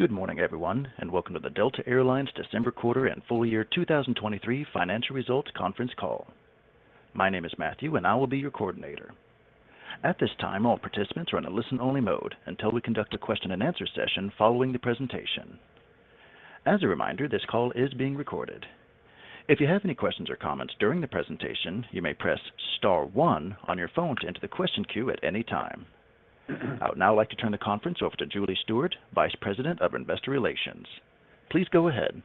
Good morning, everyone, and welcome to the Delta Air Lines December quarter and full year 2023 financial results conference call. My name is Matthew, and I will be your coordinator. At this time, all participants are in a listen-only mode until we conduct a question and answer session following the presentation. As a reminder, this call is being recorded. If you have any questions or comments during the presentation, you may press star one on your phone to enter the question queue at any time. I would now like to turn the conference over to Julie Stewart, Vice President of Investor Relations. Please go ahead.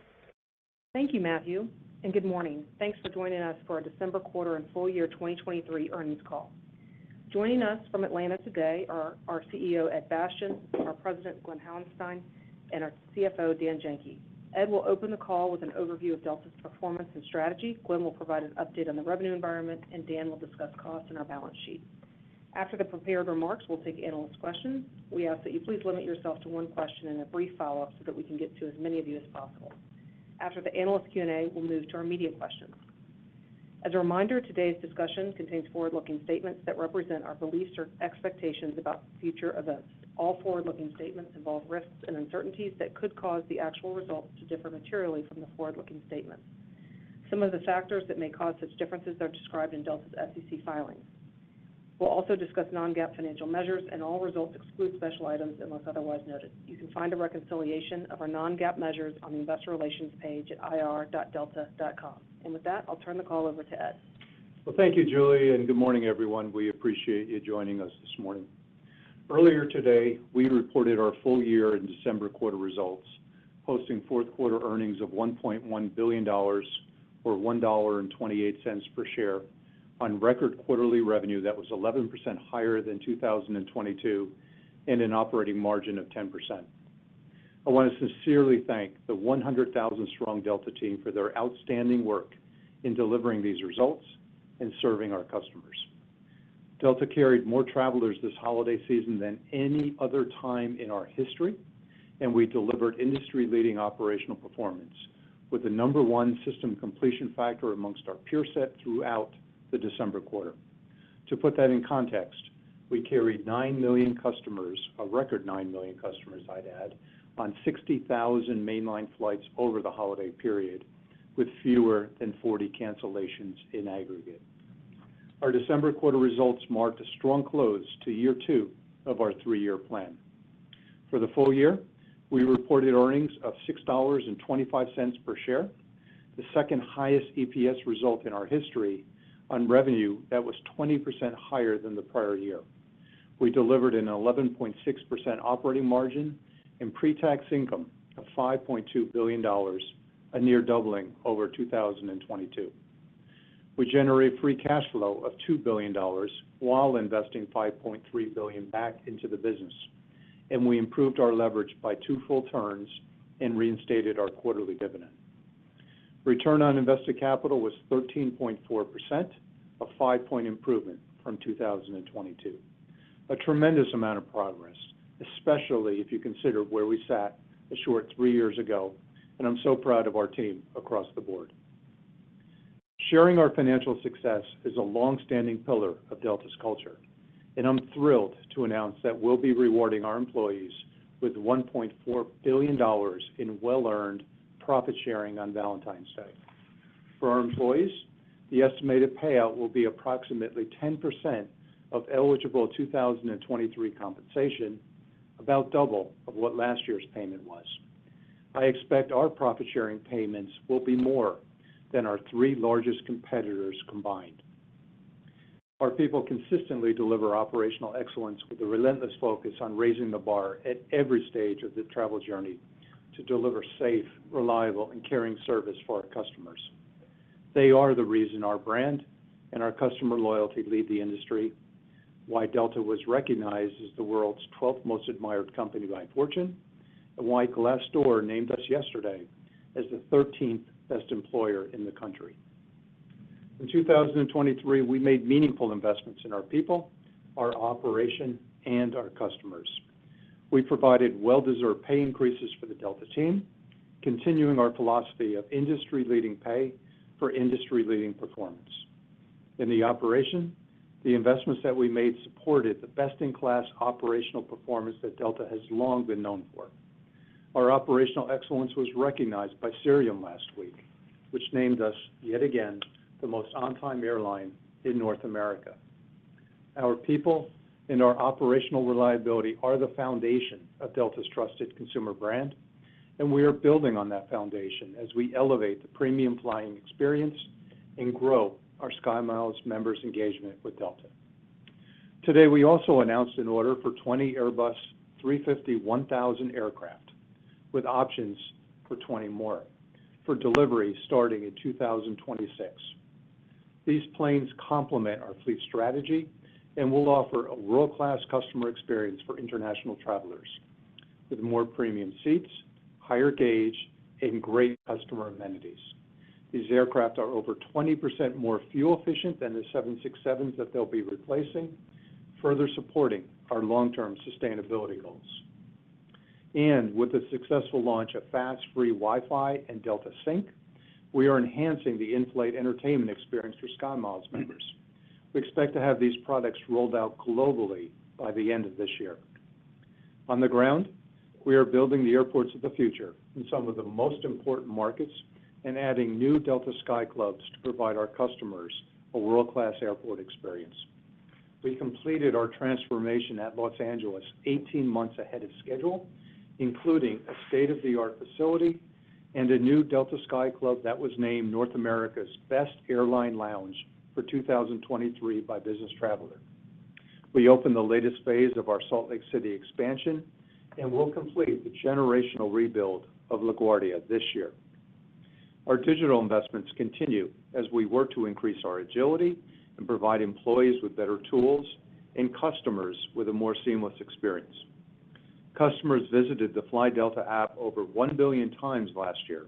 Thank you, Matthew, and good morning. Thanks for joining us for our December quarter and full year 2023 earnings call. Joining us from Atlanta today are our CEO, Ed Bastian, our President, Glen Hauenstein, and our CFO, Dan Janki. Ed will open the call with an overview of Delta's performance and strategy. Glen will provide an update on the revenue environment, and Dan will discuss costs and our balance sheet. After the prepared remarks, we'll take analyst questions. We ask that you please limit yourself to one question and a brief follow-up, so that we can get to as many of you as possible. After the analyst Q&A, we'll move to our media questions. As a reminder, today's discussion contains forward-looking statements that represent our beliefs or expectations about future events. All forward-looking statements involve risks and uncertainties that could cause the actual results to differ materially from the forward-looking statements. Some of the factors that may cause such differences are described in Delta's SEC filings. We'll also discuss non-GAAP financial measures, and all results exclude special items unless otherwise noted. You can find a reconciliation of our non-GAAP measures on the Investor Relations page at ir.delta.com. With that, I'll turn the call over to Ed. Well, thank you, Julie, and good morning, everyone. We appreciate you joining us this morning. Earlier today, we reported our full year in December quarter results, posting fourth quarter earnings of $1.1 billion, or $1.28 per share on record quarterly revenue that was 11% higher than 2022, and an operating margin of 10%. I want to sincerely thank the 100,000-strong Delta team for their outstanding work in delivering these results and serving our customers. Delta carried more travelers this holiday season than any other time in our history, and we delivered industry-leading operational performance with the number one system completion factor amongst our peer set throughout the December quarter. To put that in context, we carried 9 million customers, a record 9 million customers, I'd add, on 60,000 mainline flights over the holiday period, with fewer than 40 cancellations in aggregate. Our December quarter results mark a strong close to year two of our three-year plan. For the full year, we reported earnings of $6.25 per share, the second highest EPS result in our history on revenue that was 20% higher than the prior year. We delivered an 11.6% operating margin and pre-tax income of $5.2 billion, a near doubling over 2022. We generate free cash flow of $2 billion while investing $5.3 billion back into the business, and we improved our leverage by two full turns and reinstated our quarterly dividend. Return on invested capital was 13.4%, a five-point improvement from 2022. A tremendous amount of progress, especially if you consider where we sat a short three years ago, and I'm so proud of our team across the board. Sharing our financial success is a long-standing pillar of Delta's culture, and I'm thrilled to announce that we'll be rewarding our employees with $1.4 billion in well-earned profit sharing on Valentine's Day. For our employees, the estimated payout will be approximately 10% of eligible 2023 compensation, about double of what last year's payment was. I expect our profit sharing payments will be more than our three largest competitors combined. Our people consistently deliver operational excellence with a relentless focus on raising the bar at every stage of the travel journey to deliver safe, reliable, and caring service for our customers. They are the reason our brand and our customer loyalty lead the industry, why Delta was recognized as the world's 12th most admired company by Fortune, and why Glassdoor named us yesterday as the 13th best employer in the country. In 2023, we made meaningful investments in our people, our operation, and our customers. We provided well-deserved pay increases for the Delta team, continuing our philosophy of industry-leading pay for industry-leading performance. In the operation, the investments that we made supported the best-in-class operational performance that Delta has long been known for. Our operational excellence was recognized by Cirium last week, which named us, yet again, the most on-time airline in North America. Our people and our operational reliability are the foundation of Delta's trusted consumer brand, and we are building on that foundation as we elevate the premium flying experience and grow our SkyMiles members' engagement with Delta. Today, we also announced an order for 20 Airbus A350-1000 aircraft, with options for 20 more, for delivery starting in 2026. These planes complement our fleet strategy and will offer a world-class customer experience for international travelers with more premium seats, higher gauge, and great customer amenities. These aircraft are over 20% more fuel efficient than the 767s that they'll be replacing, further supporting our long-term sustainability goals. With the successful launch of fast free Wi-Fi and Delta Sync, we are enhancing the in-flight entertainment experience for SkyMiles members. We expect to have these products rolled out globally by the end of this year. On the ground, we are building the airports of the future in some of the most important markets, and adding new Delta Sky Clubs to provide our customers a world-class airport experience. We completed our transformation at Los Angeles 18 months ahead of schedule, including a state-of-the-art facility and a new Delta Sky Club that was named North America's Best Airline Lounge for 2023 by Business Traveler. We opened the latest phase of our Salt Lake City expansion, and we'll complete the generational rebuild of LaGuardia this year. Our digital investments continue as we work to increase our agility and provide employees with better tools, and customers with a more seamless experience. Customers visited the Fly Delta app over 1 billion times last year,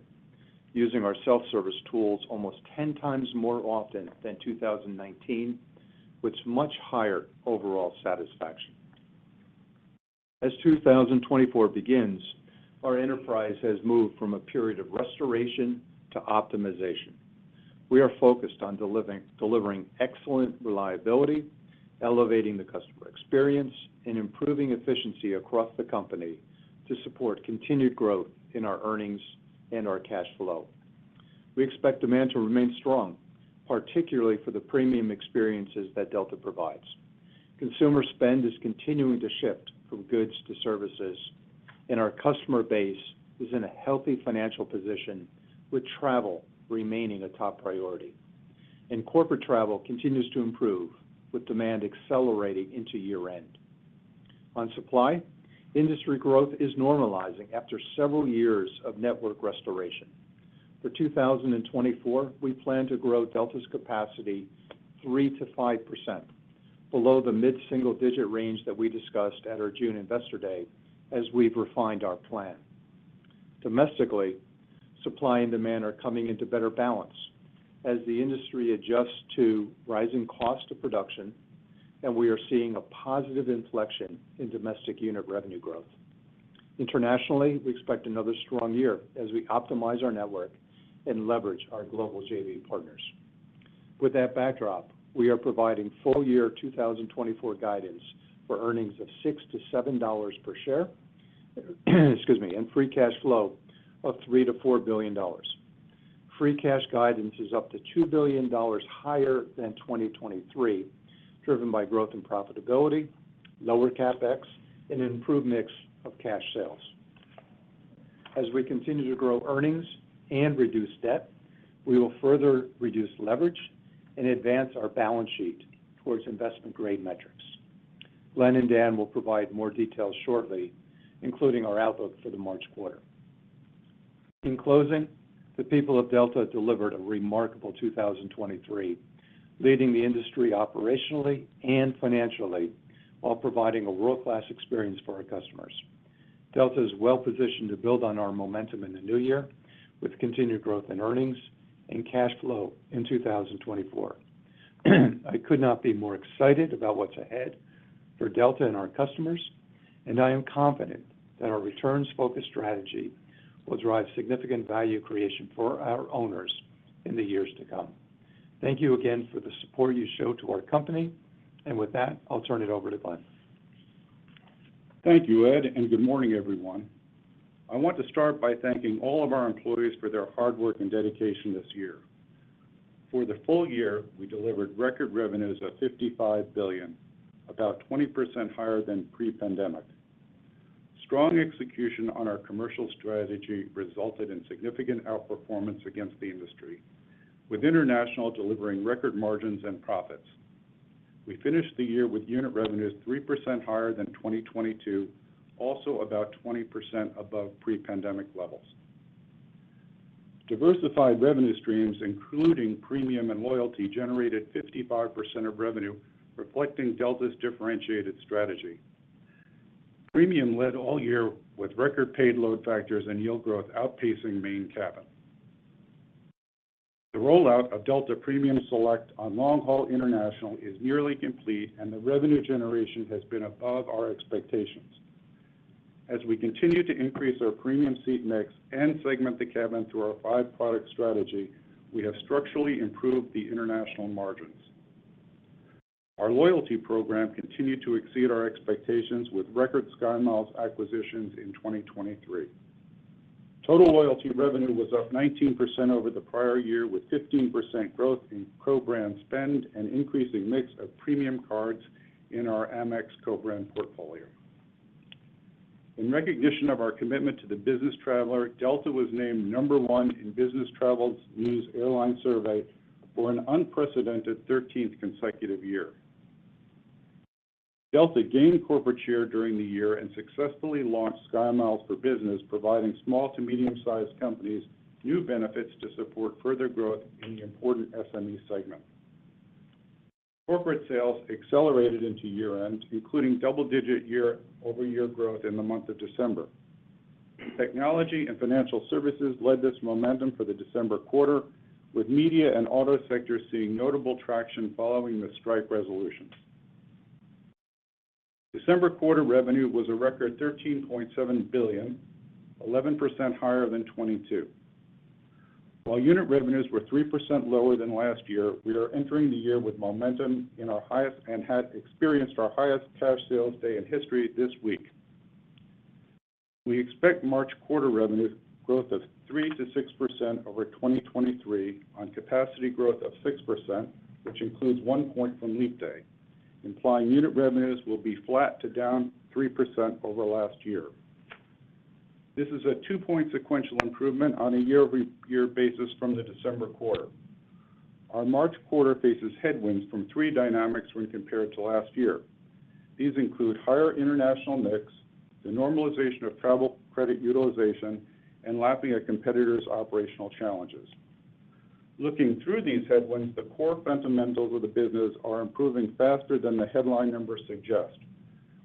using our self-service tools almost 10 times more often than 2019, with much higher overall satisfaction. As 2024 begins, our enterprise has moved from a period of restoration to optimization. We are focused on delivering excellent reliability, elevating the customer experience, and improving efficiency across the company to support continued growth in our earnings and our cash flow. We expect demand to remain strong, particularly for the premium experiences that Delta provides. Consumer spend is continuing to shift from goods to services, and our customer base is in a healthy financial position, with travel remaining a top priority. Corporate travel continues to improve, with demand accelerating into year-end. On supply, industry growth is normalizing after several years of network restoration. For 2024, we plan to grow Delta's capacity 3%-5%, below the mid-single digit range that we discussed at our June Investor Day, as we've refined our plan. Domestically, supply and demand are coming into better balance as the industry adjusts to rising cost of production, and we are seeing a positive inflection in domestic unit revenue growth. Internationally, we expect another strong year as we optimize our network and leverage our global JV partners. With that backdrop, we are providing full year 2024 guidance for earnings of $6-$7 per share, excuse me, and free cash flow of $3 billion-$4 billion. Free cash guidance is up to $2 billion higher than 2023, driven by growth in profitability, lower CapEx, and an improved mix of cash sales. As we continue to grow earnings and reduce debt, we will further reduce leverage and advance our balance sheet towards investment-grade metrics. Glen and Dan will provide more details shortly, including our outlook for the March quarter. In closing, the people of Delta delivered a remarkable 2023, leading the industry operationally and financially, while providing a world-class experience for our customers. Delta is well-positioned to build on our momentum in the new year with continued growth in earnings and cash flow in 2024. I could not be more excited about what's ahead for Delta and our customers, and I am confident that our returns-focused strategy will drive significant value creation for our owners in the years to come. Thank you again for the support you show to our company, and with that, I'll turn it over to Glen. Thank you, Ed, and good morning, everyone. I want to start by thanking all of our employees for their hard work and dedication this year. For the full year, we delivered record revenues of $55 billion, about 20% higher than pre-pandemic. Strong execution on our commercial strategy resulted in significant outperformance against the industry, with international delivering record margins and profits. We finished the year with unit revenues 3% higher than 2022, also about 20% above pre-pandemic levels. Diversified revenue streams, including premium and loyalty, generated 55% of revenue, reflecting Delta's differentiated strategy. Premium led all year with record paid load factors and yield growth outpacing Main Cabin. The rollout of Delta Premium Select on long-haul international is nearly complete, and the revenue generation has been above our expectations. As we continue to increase our premium seat mix and segment the cabin through our five-product strategy, we have structurally improved the international margins. Our loyalty program continued to exceed our expectations, with record SkyMiles acquisitions in 2023. Total loyalty revenue was up 19% over the prior year, with 15% growth in co-brand spend and increasing mix of premium cards in our Amex co-brand portfolio. In recognition of our commitment to the business traveler, Delta was named number one in Business Travel News Airline Survey for an unprecedented 13th consecutive year. Delta gained corporate share during the year and successfully launched SkyMiles for Business, providing small to medium-sized companies new benefits to support further growth in the important SME segment. Corporate sales accelerated into year-end, including double-digit year-over-year growth in the month of December. Technology and financial services led this momentum for the December quarter, with media and auto sectors seeing notable traction following the strike resolution. December quarter revenue was a record $13.7 billion, 11% higher than 2022. While unit revenues were 3% lower than last year, we are entering the year with momentum in our highest and had experienced our highest cash sales day in history this week. We expect March quarter revenue growth of 3%-6% over 2023 on capacity growth of 6%, which includes one point from leap day, implying unit revenues will be flat to down 3% over last year. This is a two-point sequential improvement on a year-over-year basis from the December quarter. Our March quarter faces headwinds from three dynamics when compared to last year. These include higher international mix, the normalization of travel credit utilization, and lapping at competitors' operational challenges. Looking through these headwinds, the core fundamentals of the business are improving faster than the headline numbers suggest.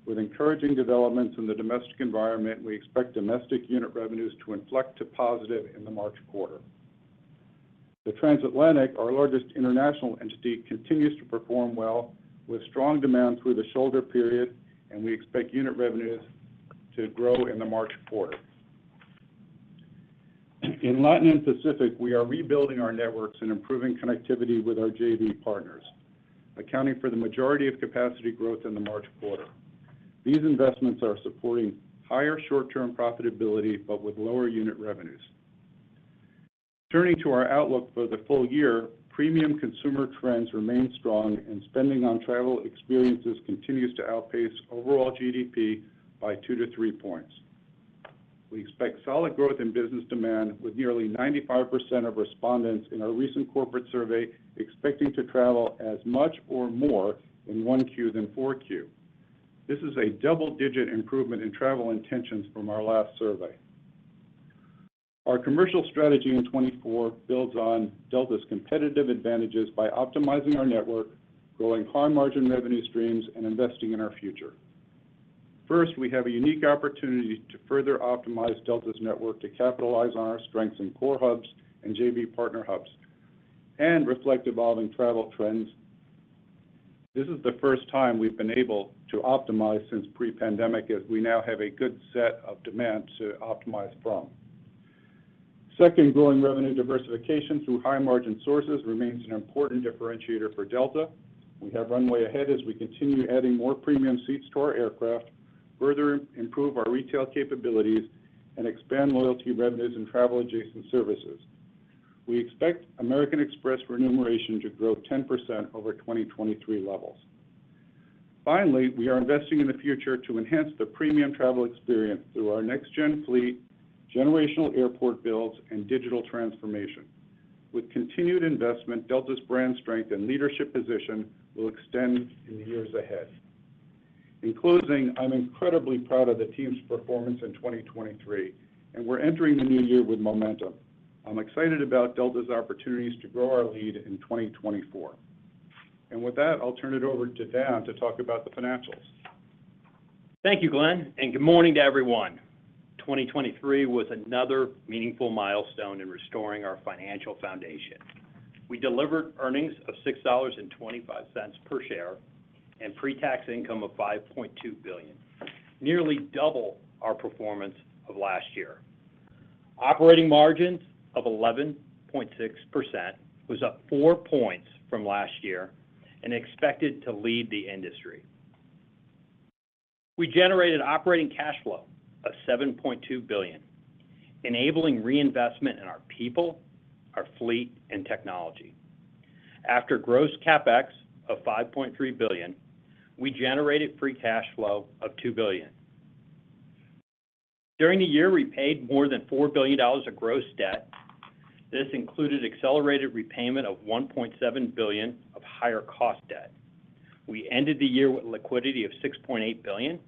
With encouraging developments in the domestic environment, we expect domestic unit revenues to inflect to positive in the March quarter. The transatlantic, our largest international entity, continues to perform well, with strong demand through the shoulder period, and we expect unit revenues to grow in the March quarter. In Latin and Pacific, we are rebuilding our networks and improving connectivity with our JV partners, accounting for the majority of capacity growth in the March quarter. These investments are supporting higher short-term profitability, but with lower unit revenues. Turning to our outlook for the full year, premium consumer trends remain strong, and spending on travel experiences continues to outpace overall GDP by two-three points. We expect solid growth in business demand, with nearly 95% of respondents in our recent corporate survey expecting to travel as much or more in 1Q than 4Q. This is a double-digit improvement in travel intentions from our last survey. Our commercial strategy in 2024 builds on Delta's competitive advantages by optimizing our network, growing high-margin revenue streams, and investing in our future. First, we have a unique opportunity to further optimize Delta's network to capitalize on our strengths in core hubs and JV partner hubs and reflect evolving travel trends. This is the first time we've been able to optimize since pre-pandemic, as we now have a good set of demand to optimize from. Second, growing revenue diversification through high-margin sources remains an important differentiator for Delta. We have runway ahead as we continue adding more premium seats to our aircraft, further improve our retail capabilities, and expand loyalty revenues and travel-adjacent services. We expect American Express remuneration to grow 10% over 2023 levels. Finally, we are investing in the future to enhance the premium travel experience through our next-gen fleet, generational airport builds, and digital transformation. With continued investment, Delta's brand strength and leadership position will extend in the years ahead. In closing, I'm incredibly proud of the team's performance in 2023, and we're entering the new year with momentum. I'm excited about Delta's opportunities to grow our lead in 2024. And with that, I'll turn it over to Dan to talk about the financials. Thank you, Glen, and good morning to everyone. 2023 was another meaningful milestone in restoring our financial foundation. We delivered earnings of $6.25 per share and pre-tax income of $5.2 billion, nearly double our performance of last year. Operating margins of 11.6% was up four points from last year and expected to lead the industry. We generated operating cash flow of $7.2 billion, enabling reinvestment in our people, our fleet, and technology. After gross CapEx of $5.3 billion, we generated free cash flow of $2 billion. During the year, we paid more than $4 billion of gross debt. This included accelerated repayment of $1.7 billion of higher cost debt. We ended the year with liquidity of $6.8 billion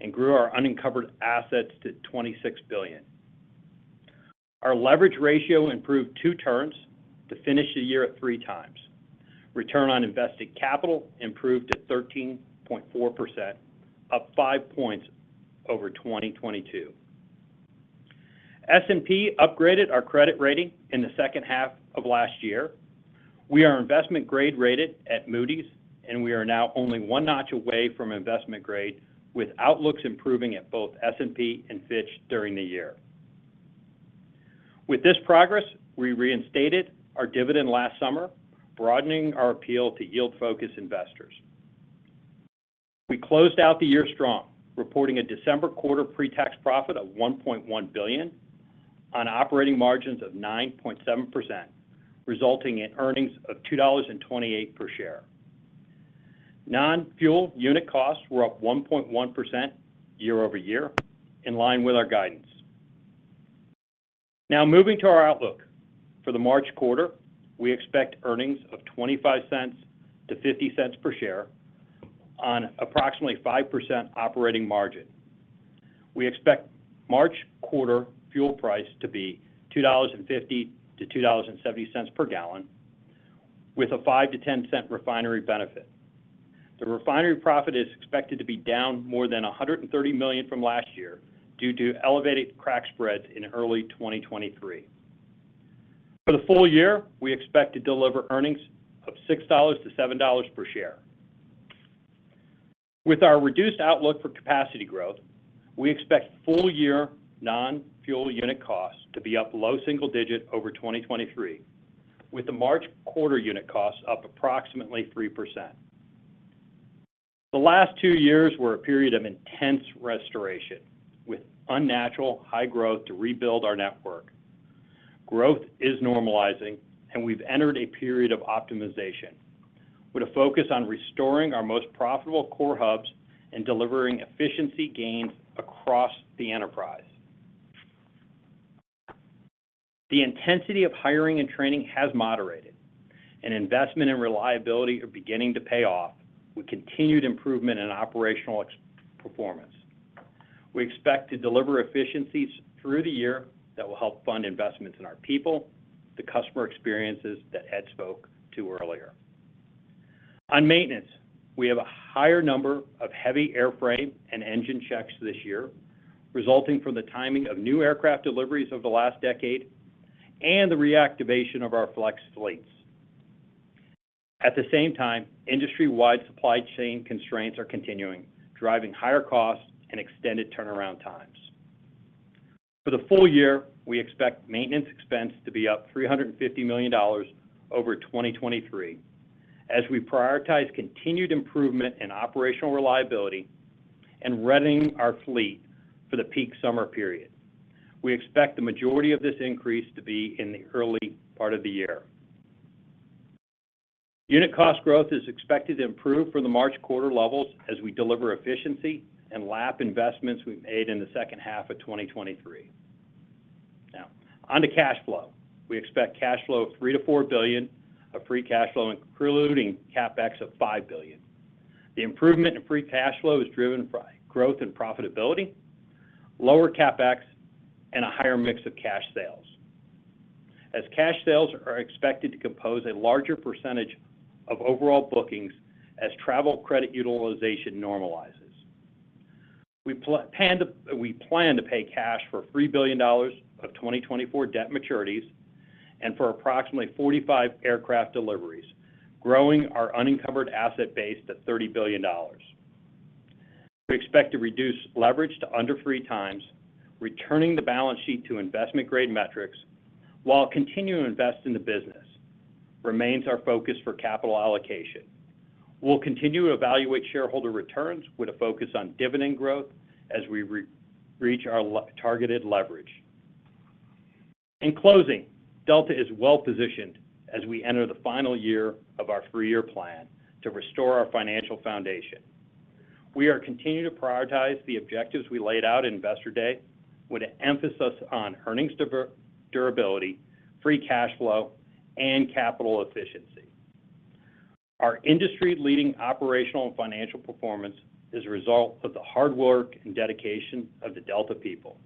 and grew our unencumbered assets to $26 billion. Our leverage ratio improved two turns to finish the year at three times. Return on invested capital improved to 13.4%, up five points over 2022. S&P upgraded our credit rating in the second half of last year. We are investment grade-rated at Moody's, and we are now only one notch away from investment grade, with outlooks improving at both S&P and Fitch during the year. With this progress, we reinstated our dividend last summer, broadening our appeal to yield-focused investors. We closed out the year strong, reporting a December quarter pre-tax profit of $1.1 billion on operating margins of 9.7%, resulting in earnings of $2.28 per share. Non-fuel unit costs were up 1.1% year-over-year, in line with our guidance. Now, moving to our outlook. For the March quarter, we expect earnings of $0.25-$0.50 per share on approximately 5% operating margin. We expect March quarter fuel price to be $2.50-$2.70 per gallon, with a 5-10 cent refinery benefit. The refinery profit is expected to be down more than $130 million from last year due to elevated crack spreads in early 2023.... For the full year, we expect to deliver earnings of $6-$7 per share. With our reduced outlook for capacity growth, we expect full-year non-fuel unit costs to be up low single digit over 2023, with the March quarter unit costs up approximately 3%. The last two years were a period of intense restoration, with unnatural high growth to rebuild our network. Growth is normalizing, and we've entered a period of optimization, with a focus on restoring our most profitable core hubs and delivering efficiency gains across the enterprise. The intensity of hiring and training has moderated, and investment and reliability are beginning to pay off with continued improvement in operational performance. We expect to deliver efficiencies through the year that will help fund investments in our people, the customer experiences that Ed spoke to earlier. On maintenance, we have a higher number of heavy airframe and engine checks this year, resulting from the timing of new aircraft deliveries over the last decade and the reactivation of our flex fleets. At the same time, industry-wide supply chain constraints are continuing, driving higher costs and extended turnaround times. For the full year, we expect maintenance expense to be up $350 million over 2023, as we prioritize continued improvement in operational reliability and readying our fleet for the peak summer period. We expect the majority of this increase to be in the early part of the year. Unit cost growth is expected to improve from the March quarter levels as we deliver efficiency and lap investments we made in the second half of 2023. Now, onto cash flow. We expect cash flow of $3 billion-$4 billion of free cash flow, including CapEx of $5 billion. The improvement in free cash flow is driven by growth and profitability, lower CapEx, and a higher mix of cash sales, as cash sales are expected to compose a larger percentage of overall bookings as travel credit utilization normalizes. We plan to pay cash for $3 billion of 2024 debt maturities and for approximately 45 aircraft deliveries, growing our unencumbered asset base to $30 billion. We expect to reduce leverage to under three times, returning the balance sheet to investment-grade metrics, while continuing to invest in the business remains our focus for capital allocation. We'll continue to evaluate shareholder returns with a focus on dividend growth as we reach our targeted leverage. In closing, Delta is well positioned as we enter the final year of our three-year plan to restore our financial foundation. We are continuing to prioritize the objectives we laid out at Investor Day, with an emphasis on earnings durability, free cash flow, and capital efficiency. Our industry-leading operational and financial performance is a result of the hard work and dedication of the Delta people.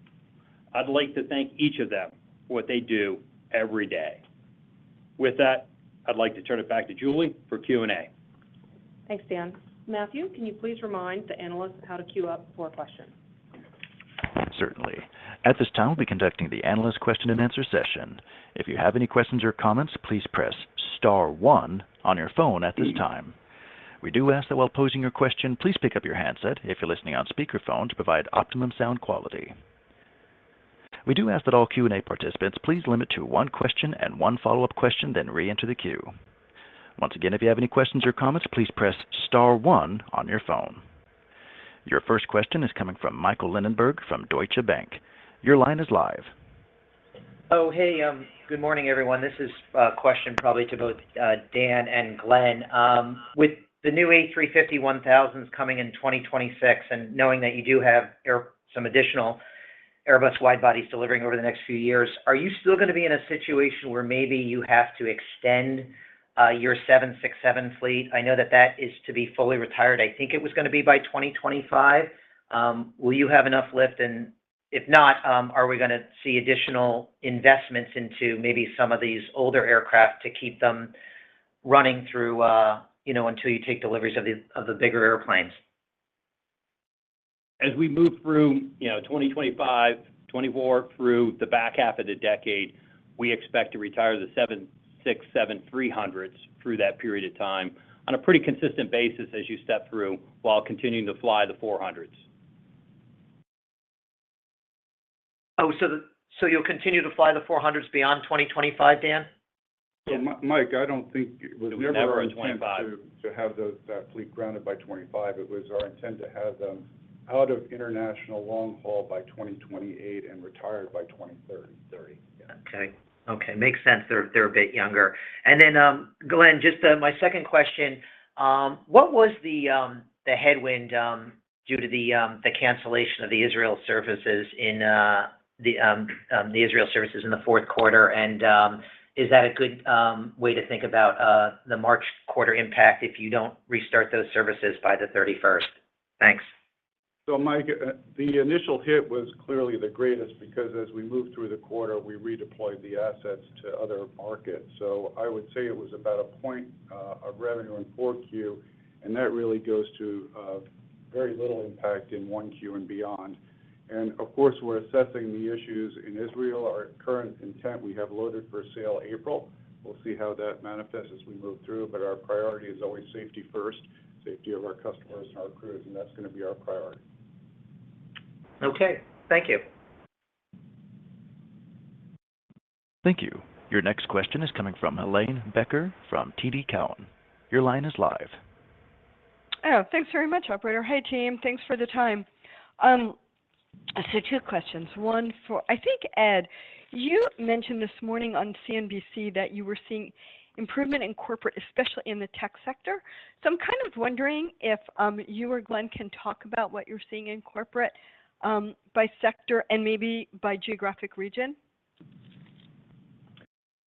I'd like to thank each of them for what they do every day. With that, I'd like to turn it back to Julie for Q&A. Thanks, Dan. Matthew, can you please remind the analysts how to queue up for questions? Certainly. At this time, we'll be conducting the analyst question-and-answer session. If you have any questions or comments, please press star one on your phone at this time. We do ask that while posing your question, please pick up your handset if you're listening on speakerphone to provide optimum sound quality. We do ask that all Q&A participants, please limit to one question and one follow-up question, then reenter the queue. Once again, if you have any questions or comments, please press star one on your phone. Your first question is coming from Michael Linenberg from Deutsche Bank. Your line is live. Oh, hey, good morning, everyone. This is a question probably to both Dan and Glen. With the new A350-1000s coming in 2026 and knowing that you do have some additional Airbus wide-bodies delivering over the next few years, are you still going to be in a situation where maybe you have to extend your 767 fleet? I know that that is to be fully retired. I think it was going to be by 2025. Will you have enough lift? And if not, are we going to see additional investments into maybe some of these older aircraft to keep them running through, you know, until you take deliveries of the bigger airplanes? As we move through, you know, 2025, 2024 through the back half of the decade, we expect to retire the 767-300s through that period of time on a pretty consistent basis as you step through, while continuing to fly the 767-400s. Oh, so you'll continue to fly the four hundreds beyond 2025, Dan? Yeah. Mike, I don't think it was ever our intent- It was never in 2025... to have that fleet grounded by 2025. It was our intent to have them out of international long haul by 2028 and retired by 2030. Thirty, yeah. Okay. Okay, makes sense. They're a bit younger. And then, Glen, just my second question, what was the headwind due to the cancellation of the Israel services in the fourth quarter? And, is that a good way to think about the March quarter impact if you don't restart those services by the 31st? Thanks. So Mike, the initial hit was clearly the greatest, because as we moved through the quarter, we redeployed the assets to other markets. So I would say it was about a point of revenue in Q4, and that really goes to very little impact in Q1 and beyond. And of course, we're assessing the issues in Israel. Our current intent, we have loaded for sale April. We'll see how that manifests as we move through, but our priority is always safety first, safety of our customers and our crews, and that's gonna be our priority. Okay. Thank you. Thank you. Your next question is coming from Helane Becker from TD Cowen. Your line is live. Oh, thanks very much, operator. Hi, team. Thanks for the time. So two questions. I think, Ed, you mentioned this morning on CNBC that you were seeing improvement in corporate, especially in the tech sector. So I'm kind of wondering if you or Glen can talk about what you're seeing in corporate, by sector and maybe by geographic region?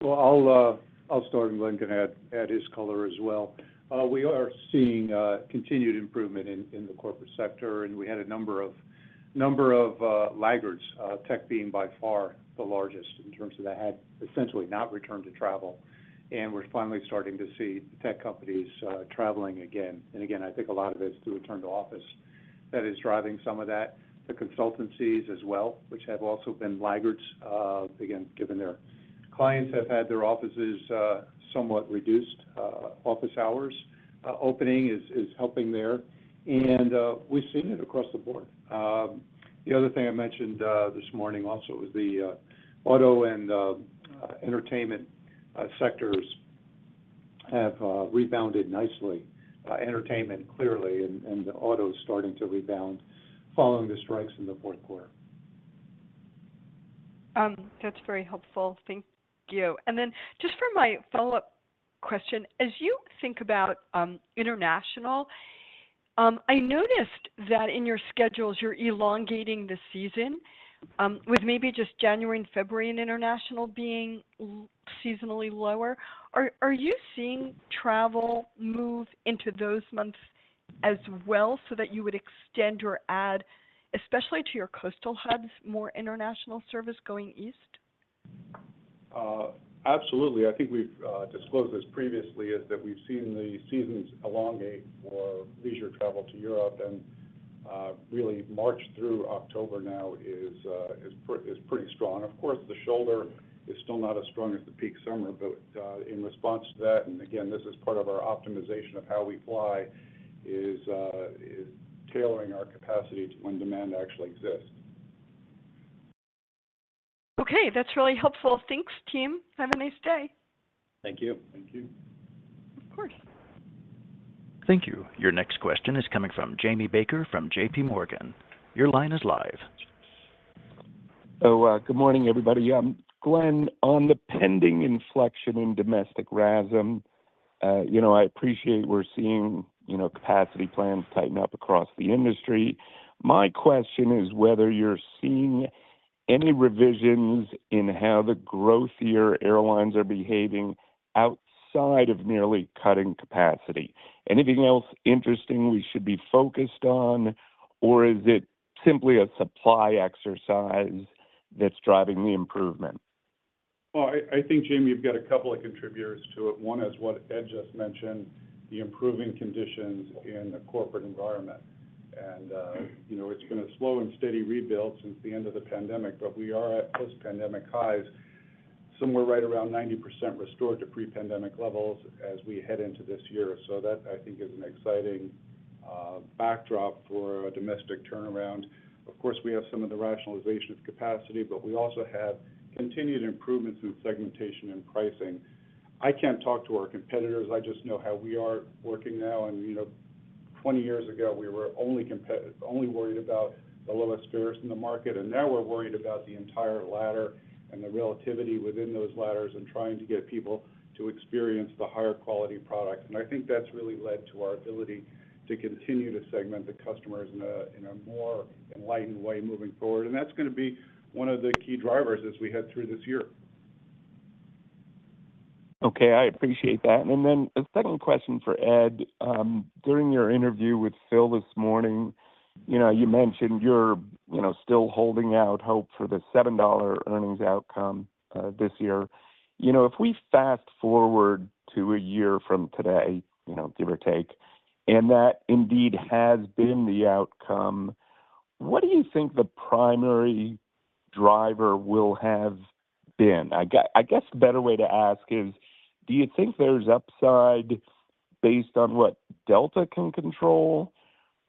Well, I'll start, and Glen can add his color as well. We are seeing continued improvement in the corporate sector, and we had a number of laggards, tech being by far the largest in terms of that had essentially not returned to travel. And we're finally starting to see tech companies traveling again and again. I think a lot of it is the return to office that is driving some of that. The consultancies as well, which have also been laggards, again, given their clients have had their offices somewhat reduced. Office hours opening is helping there, and we've seen it across the board. The other thing I mentioned this morning also was the auto and entertainment sectors have rebounded nicely. Entertainment clearly, and the auto is starting to rebound following the strikes in the fourth quarter. That's very helpful. Thank you. Then just for my follow-up question, as you think about international, I noticed that in your schedules, you're elongating the season with maybe just January and February in international being seasonally lower. Are you seeing travel move into those months as well, so that you would extend or add, especially to your coastal hubs, more international service going east? Absolutely. I think we've disclosed this previously, is that we've seen the seasons elongate for leisure travel to Europe, and really March through October now is pretty strong. Of course, the shoulder is still not as strong as the peak summer, but in response to that, and again, this is part of our optimization of how we fly, is tailoring our capacity to when demand actually exists. Okay. That's really helpful. Thanks, team. Have a nice day. Thank you. Thank you. Of course. Thank you. Your next question is coming from Jamie Baker from JPMorgan. Your line is live. So, good morning, everybody. Glen, on the pending inflection in domestic RASM, you know, I appreciate we're seeing, you know, capacity plans tighten up across the industry. My question is whether you're seeing any revisions in how the growthier airlines are behaving outside of merely cutting capacity. Anything else interesting we should be focused on, or is it simply a supply exercise that's driving the improvement? Well, I think, Jamie, you've got a couple of contributors to it. One is what Ed just mentioned, the improving conditions in the corporate environment. And, you know, it's been a slow and steady rebuild since the end of the pandemic, but we are at post-pandemic highs, somewhere right around 90% restored to pre-pandemic levels as we head into this year. So that, I think, is an exciting backdrop for a domestic turnaround. Of course, we have some of the rationalization of capacity, but we also have continued improvements in segmentation and pricing. I can't talk to our competitors, I just know how we are working now. You know, 20 years ago, we were only worried about the lowest fares in the market, and now we're worried about the entire ladder and the relativity within those ladders and trying to get people to experience the higher quality products. I think that's really led to our ability to continue to segment the customers in a, in a more enlightened way moving forward. That's gonna be one of the key drivers as we head through this year. Okay. I appreciate that. And then a second question for Ed. During your interview with Phil this morning, you know, you mentioned you're, you know, still holding out hope for the $7 earnings outcome, this year. You know, if we fast-forward to a year from today, you know, give or take, and that indeed has been the outcome, what do you think the primary driver will have been? I guess, I guess a better way to ask is, do you think there's upside based on what Delta can control,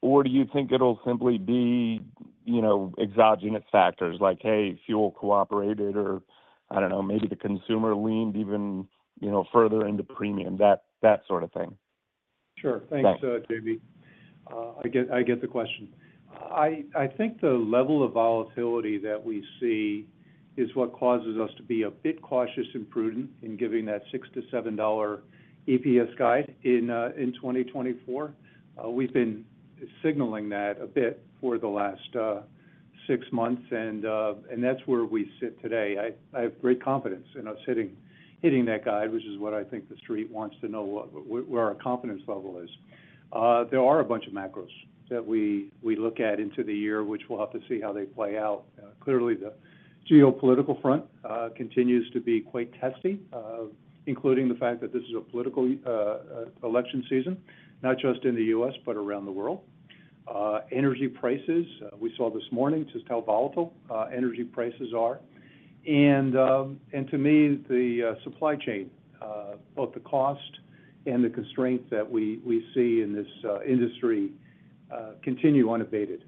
or do you think it'll simply be, you know, exogenous factors like, hey, fuel cooperated, or I don't know, maybe the consumer leaned even, you know, further into premium, that, that sort of thing? Sure. Thanks. Thanks, Jamie. I get, I get the question. I, I think the level of volatility that we see is what causes us to be a bit cautious and prudent in giving that $6-$7 EPS guide in 2024. We've been signaling that a bit for the last six months, and, and that's where we sit today. I, I have great confidence in us hitting, hitting that guide, which is what I think the Street wants to know, what, where our confidence level is. There are a bunch of macros that we, we look at into the year, which we'll have to see how they play out. Clearly, geopolitical front continues to be quite testy, including the fact that this is a political, election season, not just in the U.S., but around the world. Energy prices, we saw this morning just how volatile energy prices are. And to me, the supply chain, both the cost and the constraint that we see in this industry continue unabated.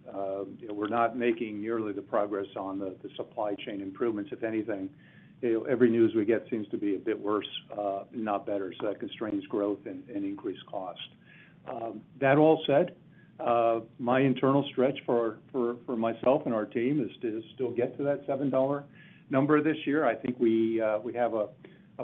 You know, we're not making nearly the progress on the supply chain improvements. If anything, you know, every news we get seems to be a bit worse, not better. So that constrains growth and increase cost. That all said, my internal stretch for myself and our team is to still get to that $7 number this year. I think we have a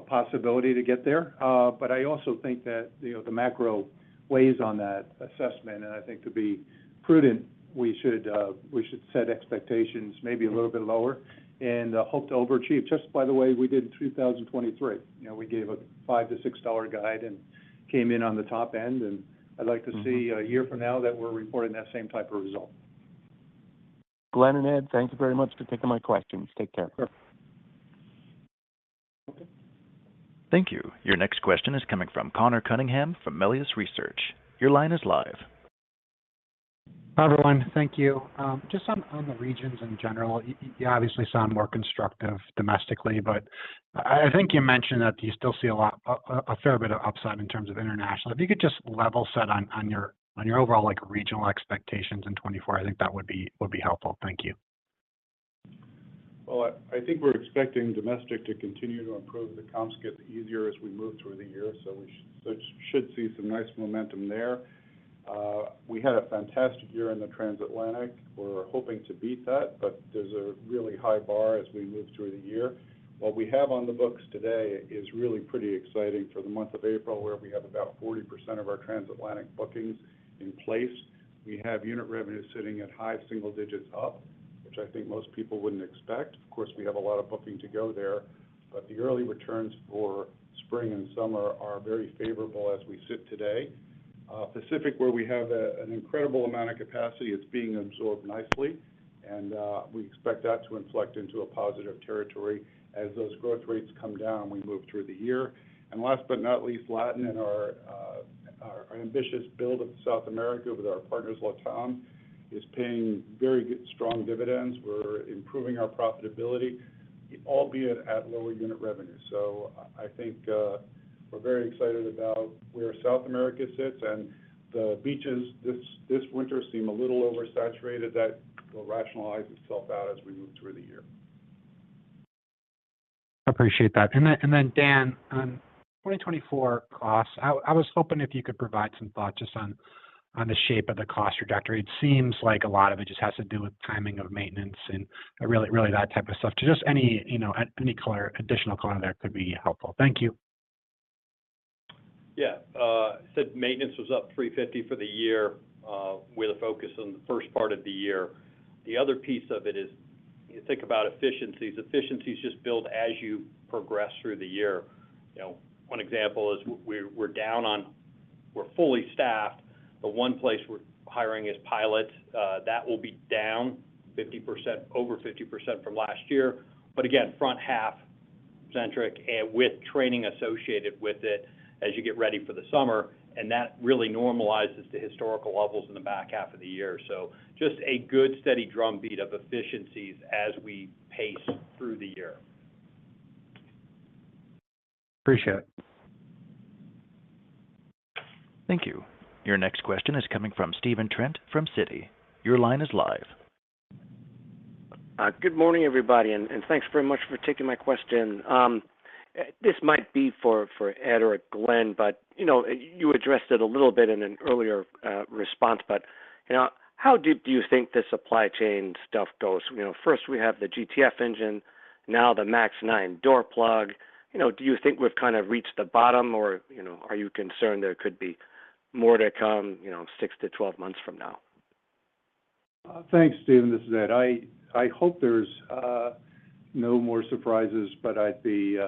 possibility to get there. But I also think that, you know, the macro weighs on that assessment, and I think to be prudent, we should, we should set expectations maybe a little bit lower and, hope to overachieve just by the way we did in 2023. You know, we gave a $5-$6 guide and came in on the top end, and I'd like to see- Mm-hmm... a year from now that we're reporting that same type of result. Glen and Ed, thank you very much for taking my questions. Take care. Sure. Thank you. Your next question is coming from Conor Cunningham from Melius Research. Your line is live. Hi, everyone. Thank you. Just on the regions in general, you obviously sound more constructive domestically, but I think you mentioned that you still see a lot, a fair bit of upside in terms of international. If you could just level set on your overall, like, regional expectations in 2024, I think that would be helpful. Thank you. Well, I think we're expecting domestic to continue to improve. The comps get easier as we move through the year, so we should see some nice momentum there. We had a fantastic year in the transatlantic. We're hoping to beat that, but there's a really high bar as we move through the year. What we have on the books today is really pretty exciting for the month of April, where we have about 40% of our transatlantic bookings in place. We have unit revenues sitting at high single digits up, which I think most people wouldn't expect. Of course, we have a lot of booking to go there, but the early returns for spring and summer are very favorable as we sit today. Pacific, where we have an incredible amount of capacity, is being absorbed nicely, and we expect that to inflect into a positive territory as those growth rates come down, we move through the year. And last but not least, Latin and our ambitious build of South America with our partners, LATAM, is paying very good, strong dividends. We're improving our profitability, albeit at lower unit revenue. So I think, we're very excited about where South America sits, and the beaches this winter seem a little oversaturated. That will rationalize itself out as we move through the year. I appreciate that. And then Dan, on 2024 costs, I was hoping if you could provide some thought just on the shape of the cost trajectory. It seems like a lot of it just has to do with timing of maintenance and really that type of stuff. Just any, you know, any color, additional color there could be helpful. Thank you. Yeah, I said maintenance was up $350 for the year, with a focus on the first part of the year. The other piece of it is, you think about efficiencies. Efficiencies just build as you progress through the year. You know, one example is we're down on. We're fully staffed, but one place we're hiring is pilots. That will be down 50%, over 50% from last year, but again, front half-centric and with training associated with it as you get ready for the summer, and that really normalizes to historical levels in the back half of the year. So just a good, steady drumbeat of efficiencies as we pace through the year. Appreciate it. Thank you. Your next question is coming from Stephen Trent from Citi. Your line is live. Good morning, everybody, and thanks very much for taking my question. This might be for Ed or Glen, but you know, you addressed it a little bit in an earlier response, but you know, how deep do you think the supply chain stuff goes? You know, first we have the GTF engine, now the MAX 9 door plug. You know, do you think we've kind of reached the bottom or, you know, are you concerned there could be more to come, you know, 6-12 months from now? Thanks, Stephen. This is Ed. I hope there's no more surprises, but I'd be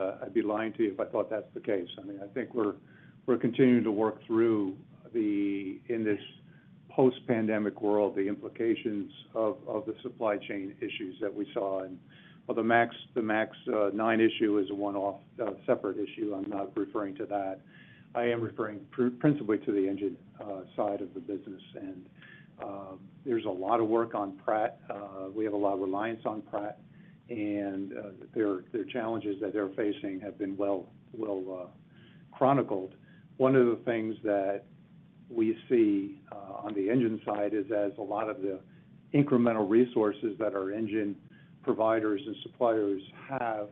lying to you if I thought that's the case. I mean, I think we're continuing to work through the implications of the supply chain issues that we saw in this post-pandemic world. Well, the MAX 9 issue is a one-off separate issue. I'm not referring to that. I am referring principally to the engine side of the business, and there's a lot of work on Pratt. We have a lot of reliance on Pratt, and the challenges that they're facing have been well chronicled. One of the things that we see on the engine side is as a lot of the incremental resources that our engine providers and suppliers have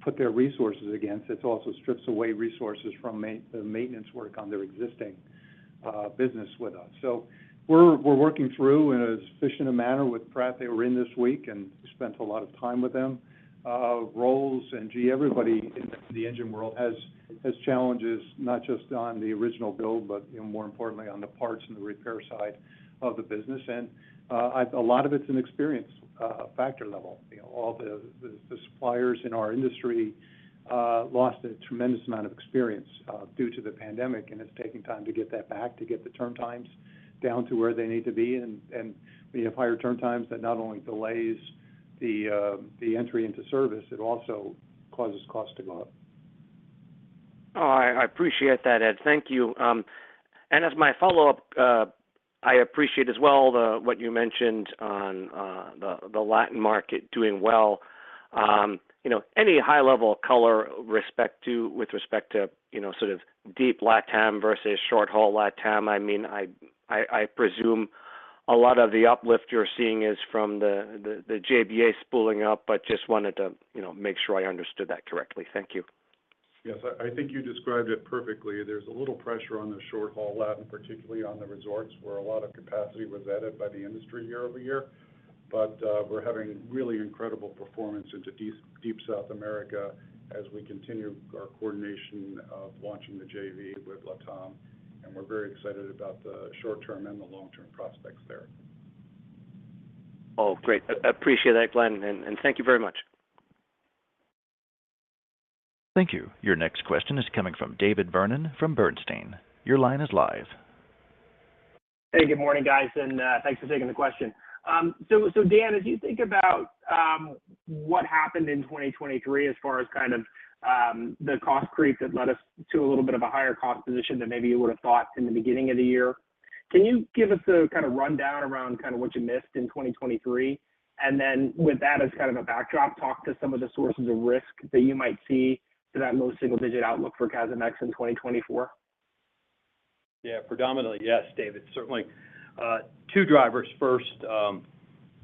put their resources against, it also strips away resources from the maintenance work on their existing business with us. So we're working through in as efficient a manner with Pratt. They were in this week, and we spent a lot of time with them. Rolls and GE, everybody in the engine world has challenges, not just on the original build, but you know, more importantly, on the parts and the repair side of the business. And a lot of it's an experience factor level. You know, all the suppliers in our industry lost a tremendous amount of experience due to the pandemic, and it's taking time to get that back, to get the turn times down to where they need to be. And we have higher turn times that not only delays-... the entry into service, it also causes costs to go up. Oh, I appreciate that, Ed. Thank you. And as my follow-up, I appreciate as well what you mentioned on the Latin market doing well. You know, any high-level color with respect to, you know, sort of deep LATAM versus short-haul LATAM? I mean, I presume a lot of the uplift you're seeing is from the JBA spooling up, but just wanted to, you know, make sure I understood that correctly. Thank you. Yes. I think you described it perfectly. There's a little pressure on the short-haul LATAM, particularly on the resorts, where a lot of capacity was added by the industry year-over-year. But, we're having really incredible performance into deep, deep South America as we continue our coordination of launching the JV with LATAM, and we're very excited about the short-term and the long-term prospects there. Oh, great. I appreciate that, Glen, and thank you very much. Thank you. Your next question is coming from David Vernon from Bernstein. Your line is live. Hey, good morning, guys, and, thanks for taking the question. So, so Dan, as you think about, what happened in 2023 as far as kind of, the cost creep that led us to a little bit of a higher cost position than maybe you would've thought in the beginning of the year, can you give us a kind of rundown around kind of what you missed in 2023? And then with that as kind of a backdrop, talk to some of the sources of risk that you might see to that low single-digit outlook for CASM-Ex in 2024. Yeah. Predominantly, yes, David. Certainly, two drivers. First,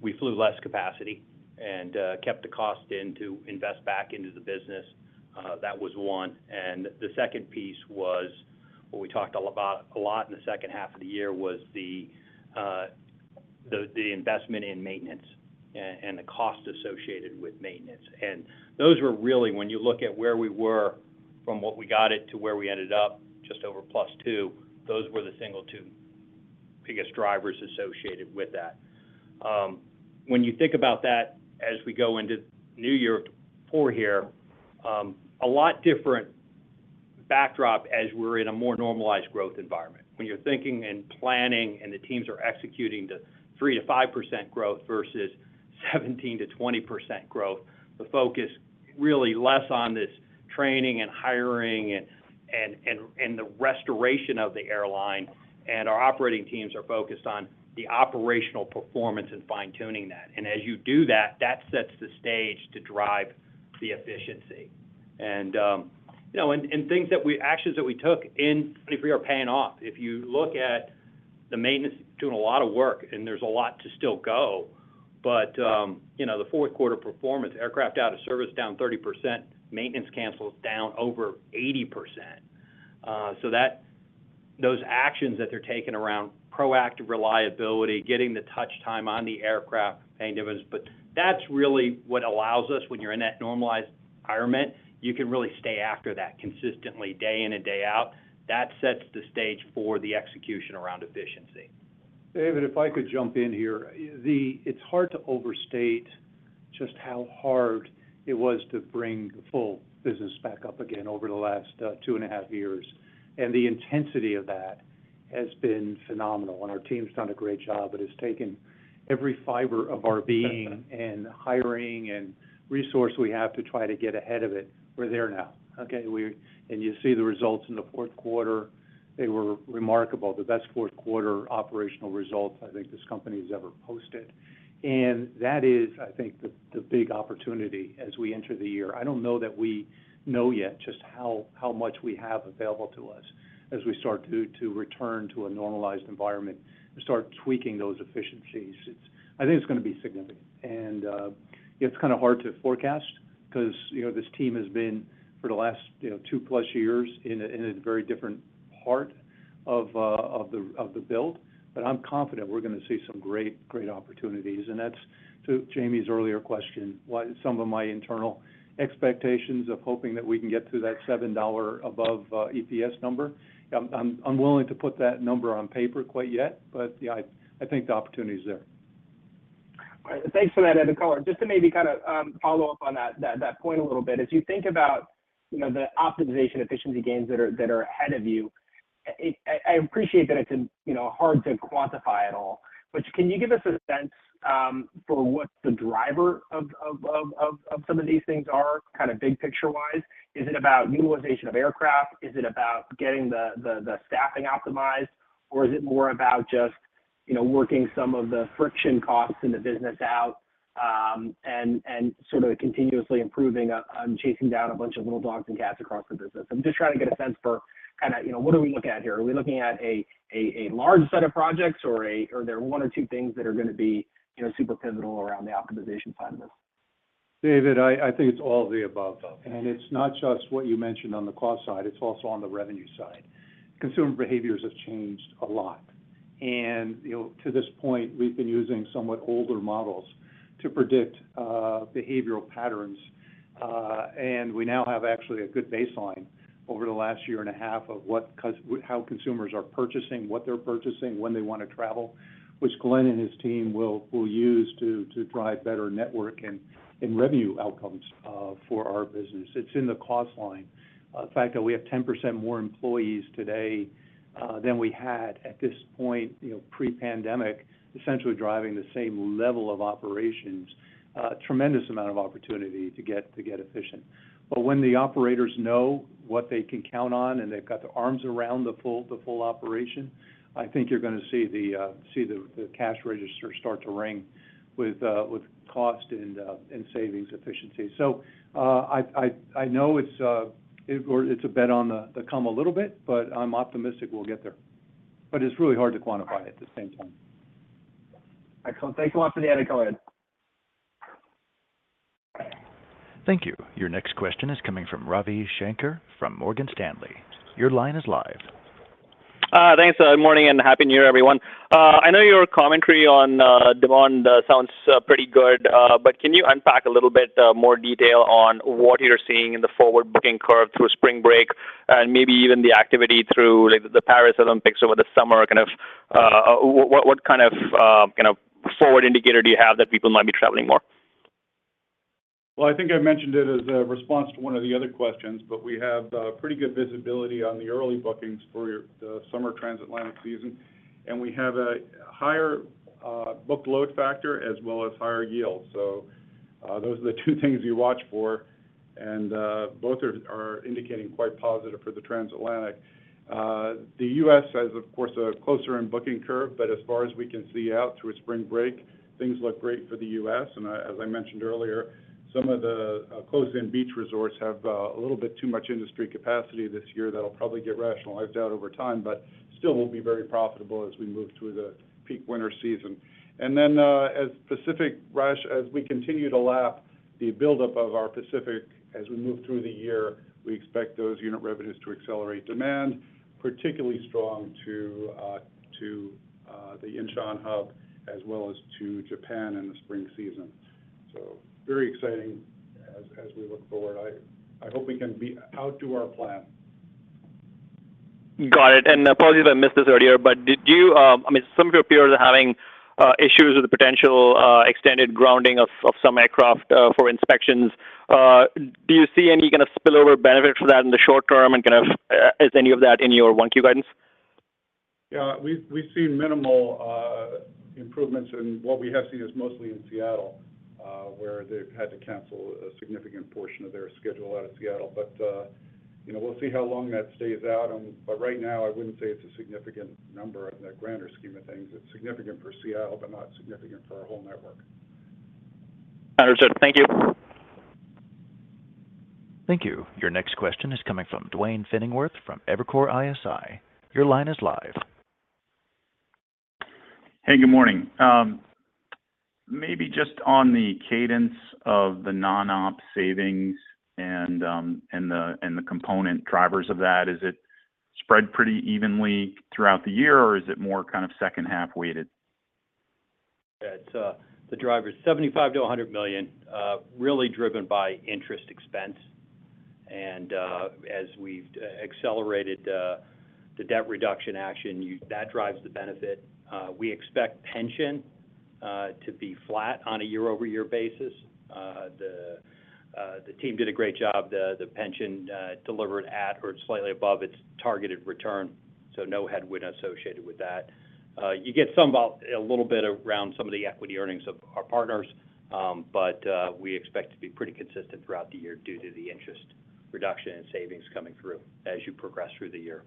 we flew less capacity and kept the cost in to invest back into the business. That was one. And the second piece was, what we talked a lot about—a lot in the second half of the year was the investment in maintenance and the cost associated with maintenance. And those were really when you look at where we were from what we got it to where we ended up, just over plus two, those were the single two biggest drivers associated with that. When you think about that as we go into new year four here, a lot different backdrop as we're in a more normalized growth environment. When you're thinking and planning, and the teams are executing the 3%-5% growth versus 17%-20% growth, the focus really less on this training and hiring and the restoration of the airline, and our operating teams are focused on the operational performance and fine-tuning that. As you do that, that sets the stage to drive the efficiency. You know, actions that we took in 2023 are paying off. If you look at the maintenance, doing a lot of work, and there's a lot still to go, but you know, the fourth quarter performance, aircraft out of service down 30%, maintenance cancels down over 80%. So those actions that they're taking around proactive reliability, getting the touch time on the aircraft, paying dividends. That's really what allows us, when you're in that normalized environment, you can really stay after that consistently, day in and day out. That sets the stage for the execution around efficiency. David, if I could jump in here. It's hard to overstate just how hard it was to bring the full business back up again over the last 2.5 years, and the intensity of that has been phenomenal, and our team's done a great job. It has taken every fiber of our being and hiring and resource we have to try to get ahead of it. We're there now, okay? And you see the results in the fourth quarter. They were remarkable. The best fourth quarter operational results I think this company has ever posted. And that is, I think, the big opportunity as we enter the year. I don't know that we know yet just how much we have available to us as we start to return to a normalized environment and start tweaking those efficiencies. I think it's gonna be significant. And, it's kinda hard to forecast 'cause, you know, this team has been, for the last, you know, 2+ years in a very different part of the build. But I'm confident we're gonna see some great, great opportunities, and that's, to Jamie's earlier question, what some of my internal expectations of hoping that we can get to that $7 above EPS number. I'm, I'm unwilling to put that number on paper quite yet, but yeah, I, I think the opportunity is there. All right. Thanks for that, Ed, and color. Just to maybe kinda follow up on that point a little bit. As you think about, you know, the optimization efficiency gains that are ahead of you, I appreciate that it's, you know, hard to quantify it all, but can you give us a sense for what the driver of some of these things are, kind of big-picture wise? Is it about utilization of aircraft? Is it about getting the staffing optimized? Or is it more about just, you know, working some of the friction costs in the business out, and sort of continuously improving on chasing down a bunch of little dogs and cats across the business? I'm just trying to get a sense for kinda, you know, what are we looking at here? Are we looking at a large set of projects or are there one or two things that are gonna be, you know, super pivotal around the optimization side of this? David, I think it's all of the above. And it's not just what you mentioned on the cost side, it's also on the revenue side. Consumer behaviors have changed a lot, and, you know, to this point, we've been using somewhat older models to predict behavioral patterns. And we now have actually a good baseline over the last year and a half of what how consumers are purchasing, what they're purchasing, when they wanna travel, which Glen and his team will use to drive better network and-... in revenue outcomes for our business. It's in the cost line. The fact that we have 10% more employees today than we had at this point, you know, pre-pandemic, essentially driving the same level of operations, a tremendous amount of opportunity to get efficient. But when the operators know what they can count on, and they've got their arms around the full operation, I think you're gonna see the cash register start to ring with cost and savings efficiency. So, I know it's or it's a bet on the come a little bit, but I'm optimistic we'll get there. But it's really hard to quantify at the same time. Excellent. Thank you once again. Go ahead. Thank you. Your next question is coming from Ravi Shanker from Morgan Stanley. Your line is live. Thanks. Good morning, and Happy New Year, everyone. I know your commentary on demand sounds pretty good, but can you unpack a little bit more detail on what you're seeing in the forward-booking curve through spring break, and maybe even the activity through, like, the Paris Olympics over the summer? Kind of, what kind of forward indicator do you have that people might be traveling more? Well, I think I mentioned it as a response to one of the other questions, but we have pretty good visibility on the early bookings for the summer transatlantic season, and we have a higher book load factor as well as higher yields. So, those are the two things you watch for, and both are indicating quite positive for the transatlantic. The U.S. has, of course, a closer in booking curve, but as far as we can see out through spring break, things look great for the U.S. And as I mentioned earlier, some of the closed-in beach resorts have a little bit too much industry capacity this year that'll probably get rationalized out over time, but still will be very profitable as we move through the peak winter season. And then, as Pacific RASM as we continue to lap the buildup of our Pacific as we move through the year, we expect those unit revenues to accelerate demand, particularly strong to the Incheon hub as well as to Japan in the spring season. So very exciting as we look forward. I hope we can outdo our plan. Got it. Apologies if I missed this earlier, but did you, I mean, some of your peers are having issues with the potential extended grounding of some aircraft for inspections. Do you see any kind of spillover benefit for that in the short term, and kind of, is any of that in your 1Q guidance? Yeah, we've seen minimal improvements, and what we have seen is mostly in Seattle, where they've had to cancel a significant portion of their schedule out of Seattle. But you know, we'll see how long that stays out but right now, I wouldn't say it's a significant number in the grander scheme of things. It's significant for Seattle, but not significant for our whole network. Understood. Thank you. Thank you. Your next question is coming from Duane Pfennigwerth from Evercore ISI. Your line is live. Hey, good morning. Maybe just on the cadence of the non-op savings and the component drivers of that, is it spread pretty evenly throughout the year, or is it more kind of second-half weighted? It's the driver is $75 million-$100 million, really driven by interest expense. And as we've accelerated the debt reduction action, you-- that drives the benefit. We expect pension to be flat on a year-over-year basis. The team did a great job. The pension delivered at or slightly above its targeted return, so no headwind associated with that. You get some about, a little bit around some of the equity earnings of our partners, but we expect to be pretty consistent throughout the year due to the interest reduction in savings coming through as you progress through the year.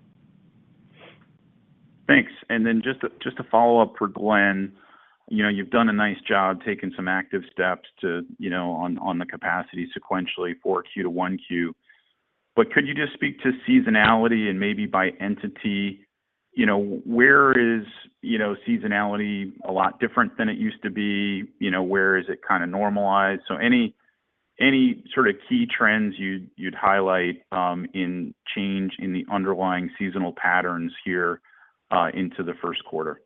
Thanks. And then just a follow-up for Glen. You know, you've done a nice job taking some active steps to, you know, on the capacity sequentially 4Q to 1Q. But could you just speak to seasonality and maybe by entity? You know, where is seasonality a lot different than it used to be? You know, where is it kind of normalized? So any sort of key trends you'd highlight in change in the underlying seasonal patterns here into the first quarter?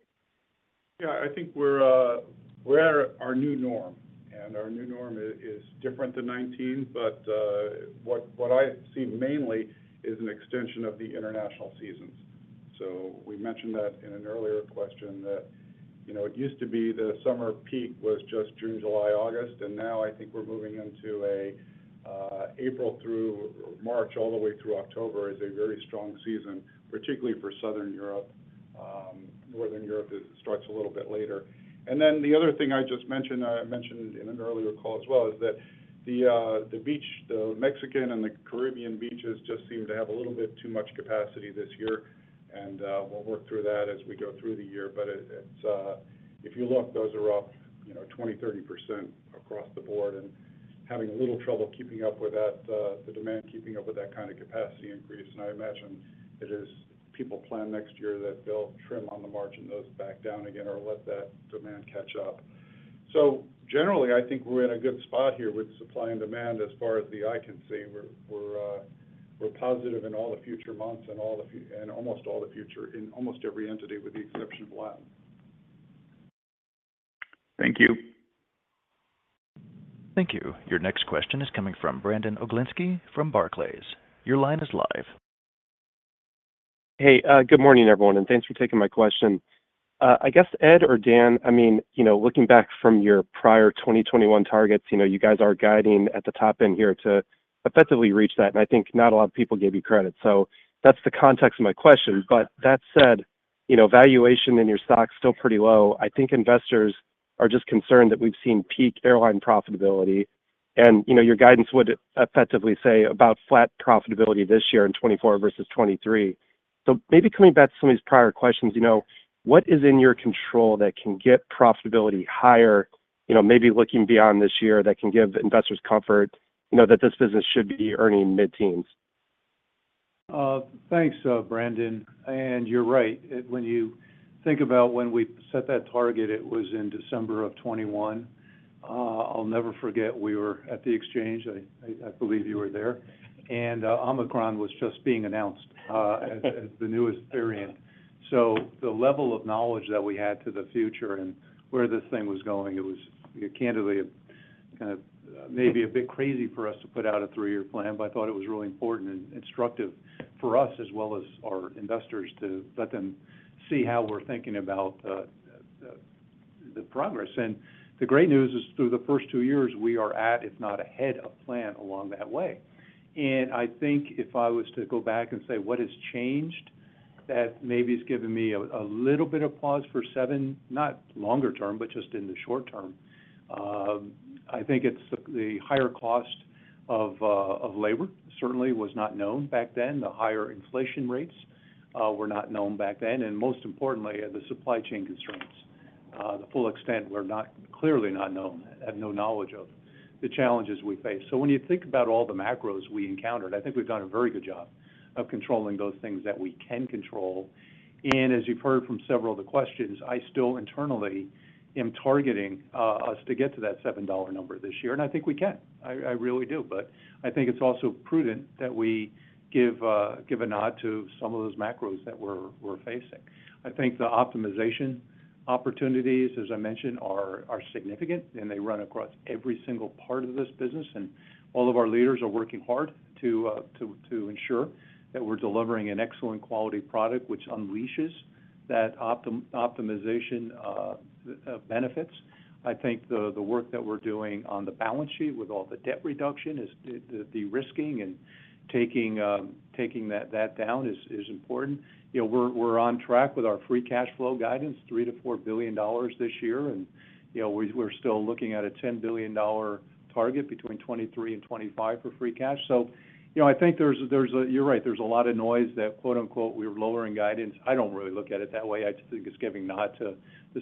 Yeah, I think we're at our new norm, and our new norm is different than 19, but what I see mainly is an extension of the international seasons. So we mentioned that in an earlier question, that you know, it used to be the summer peak was just June, July, August, and now I think we're moving into a April through March, all the way through October is a very strong season, particularly for Southern Europe. Northern Europe, it starts a little bit later. And then the other thing I just mentioned, I mentioned in an earlier call as well, is that the beach, the Mexican and the Caribbean beaches just seem to have a little bit too much capacity this year, and we'll work through that as we go through the year. But it's, if you look, those are up, you know, 20%-30% across the board and having a little trouble keeping up with that, the demand keeping up with that kind of capacity increase. And I imagine it is people plan next year that they'll trim on the margin, those back down again or let that demand catch up. So generally, I think we're in a good spot here with supply and demand as far as the eye can see. We're positive in all the future months and almost all the future, in almost every entity with the exception of Latin. Thank you. Thank you. Your next question is coming from Brandon Oglenski from Barclays. Your line is live. Hey, good morning, everyone, and thanks for taking my question. I guess Ed or Dan, I mean, you know, looking back from your prior 2021 targets, you know, you guys are guiding at the top end here to effectively reach that, and I think not a lot of people give you credit. So that's the context of my question. But that said, you know, valuation in your stock is still pretty low. I think investors are just concerned that we've seen peak airline profitability, and, you know, your guidance would effectively say about flat profitability this year in 2024 versus 2023. So maybe coming back to some of these prior questions, you know, what is in your control that can get profitability higher? You know, maybe looking beyond this year, that can give investors comfort, you know, that this business should be earning mid-teens. Thanks, Brandon, and you're right. When you think about when we set that target, it was in December 2021. I'll never forget, we were at the Exchange, I believe you were there, and Omicron was just being announced as the newest variant. So the level of knowledge that we had to the future and where this thing was going, it was, candidly, a kind of maybe a bit crazy for us to put out a three-year plan, but I thought it was really important and instructive for us, as well as our investors, to let them see how we're thinking about the progress. And the great news is, through the first two years, we are at, if not ahead of plan along that way. I think if I was to go back and say, what has changed, that maybe has given me a little bit of pause for $7, not longer term, but just in the short term. I think it's the higher cost of labor, certainly was not known back then. The higher inflation rates were not known back then, and most importantly, the supply chain constraints. The full extent were clearly not known. I had no knowledge of the challenges we face. So when you think about all the macros we encountered, I think we've done a very good job of controlling those things that we can control. And as you've heard from several of the questions, I still internally am targeting us to get to that $7 number this year, and I think we can. I really do, but I think it's also prudent that we give a nod to some of those macros that we're facing. I think the optimization opportunities, as I mentioned, are significant, and they run across every single part of this business, and all of our leaders are working hard to ensure that we're delivering an excellent quality product which unleashes that optimization benefits. I think the work that we're doing on the balance sheet with all the debt reduction is the de-risking and taking that down is important. You know, we're on track with our free cash flow guidance, $3 billion-$4 billion this year, and, you know, we're still looking at a $10 billion target between 2023 and 2025 for free cash. So, you know, I think there's a... You're right, there's a lot of noise that, quote, unquote, "We're lowering guidance." I don't really look at it that way. I just think it's giving nod to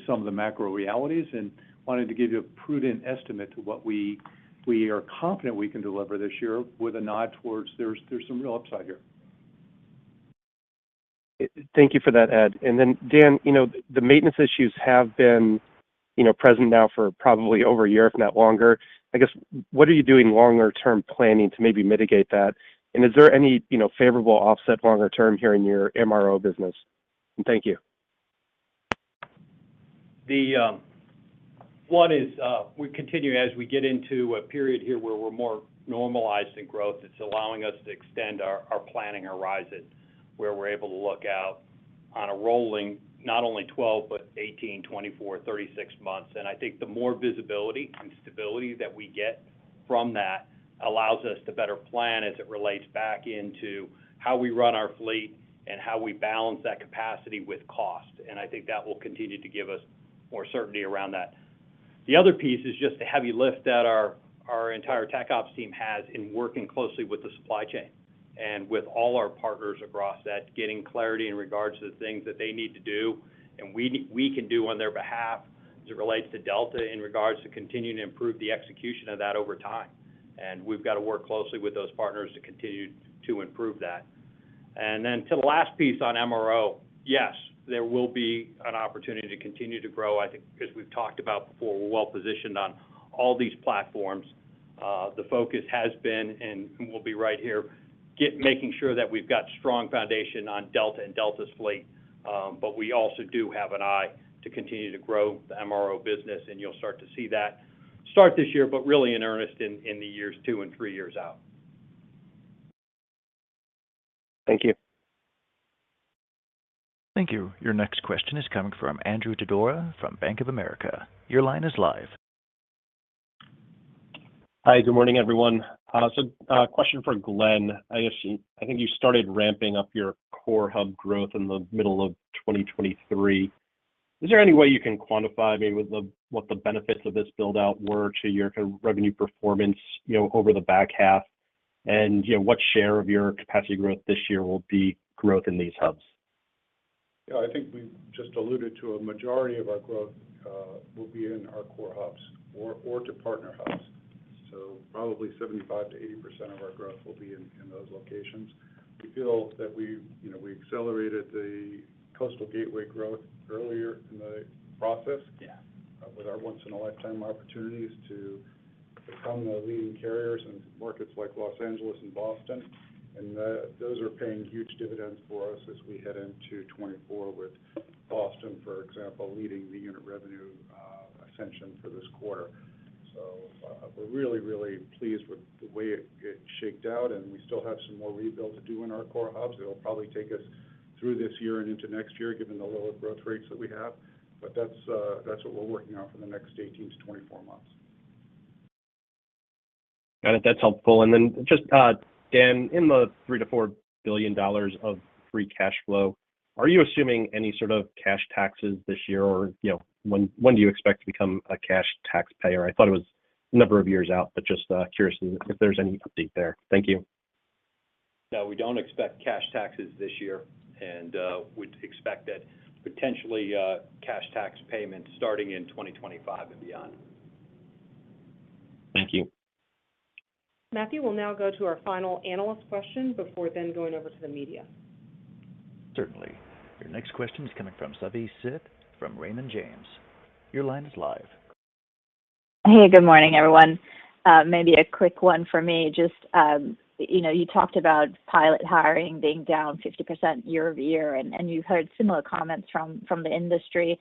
some of the macro realities and wanted to give you a prudent estimate to what we are confident we can deliver this year with a nod towards there's some real upside here. Thank you for that, Ed. Then, Dan, you know, the maintenance issues have been, you know, present now for probably over a year, if not longer. I guess, what are you doing longer term planning to maybe mitigate that? And is there any, you know, favorable offset longer term here in your MRO business? And thank you. We continue as we get into a period here where we're more normalized in growth. It's allowing us to extend our, our planning horizons, where we're able to look out on a rolling, not only 12, but 18, 24, 36 months. And I think the more visibility and stability that we get from that, allows us to better plan as it relates back into how we run our fleet and how we balance that capacity with cost. And I think that will continue to give us more certainty around that. The other piece is just the heavy lift that our entire TechOps team has in working closely with the supply chain and with all our partners across that, getting clarity in regards to the things that they need to do, and we can do on their behalf, as it relates to Delta, in regards to continuing to improve the execution of that over time. We've got to work closely with those partners to continue to improve that. And then to the last piece on MRO, yes, there will be an opportunity to continue to grow. I think, as we've talked about before, we're well positioned on all these platforms. The focus has been, and will be right here, making sure that we've got strong foundation on Delta and Delta's fleet. But we also do have an eye to continue to grow the MRO business, and you'll start to see that start this year, but really in earnest in the years two and three years out. Thank you. Thank you. Your next question is coming from Andrew Didora from Bank of America. Your line is live. Hi, good morning, everyone. So, question for Glen. I guess, I think you started ramping up your core hub growth in the middle of 2023. Is there any way you can quantify maybe what the, what the benefits of this build-out were to your revenue performance, you know, over the back half? And, you know, what share of your capacity growth this year will be growth in these hubs? Yeah, I think we've just alluded to a majority of our growth will be in our core hubs or to partner hubs. So probably 75%-80% of our growth will be in those locations. We feel that we, you know, we accelerated the coastal gateway growth earlier in the process. Yeah With our once-in-a-lifetime opportunities to become the leading carriers in markets like Los Angeles and Boston. Those are paying huge dividends for us as we head into 2024, with Boston, for example, leading the unit revenue ascension for this quarter. So, we're really, really pleased with the way it, it shaked out, and we still have some more rebuild to do in our core hubs. It'll probably take us through this year and into next year, given the lower growth rates that we have. But that's, that's what we're working on for the next 18-24 months. Got it. That's helpful. And then just, Dan, in the $3 billion-$4 billion of free cash flow, are you assuming any sort of cash taxes this year, or, you know, when, when do you expect to become a cash taxpayer? I thought it was a number of years out, but just, curious if there's any update there. Thank you. No, we don't expect cash taxes this year, and we'd expect that potentially cash tax payments starting in 2025 and beyond. Thank you. Matthew, we'll now go to our final analyst question before then going over to the media. Certainly. Your next question is coming from Savi Syth from Raymond James. Your line is live. Hey, good morning, everyone. Maybe a quick one for me. Just, you know, you talked about pilot hiring being down 50% year-over-year, and you heard similar comments from the industry.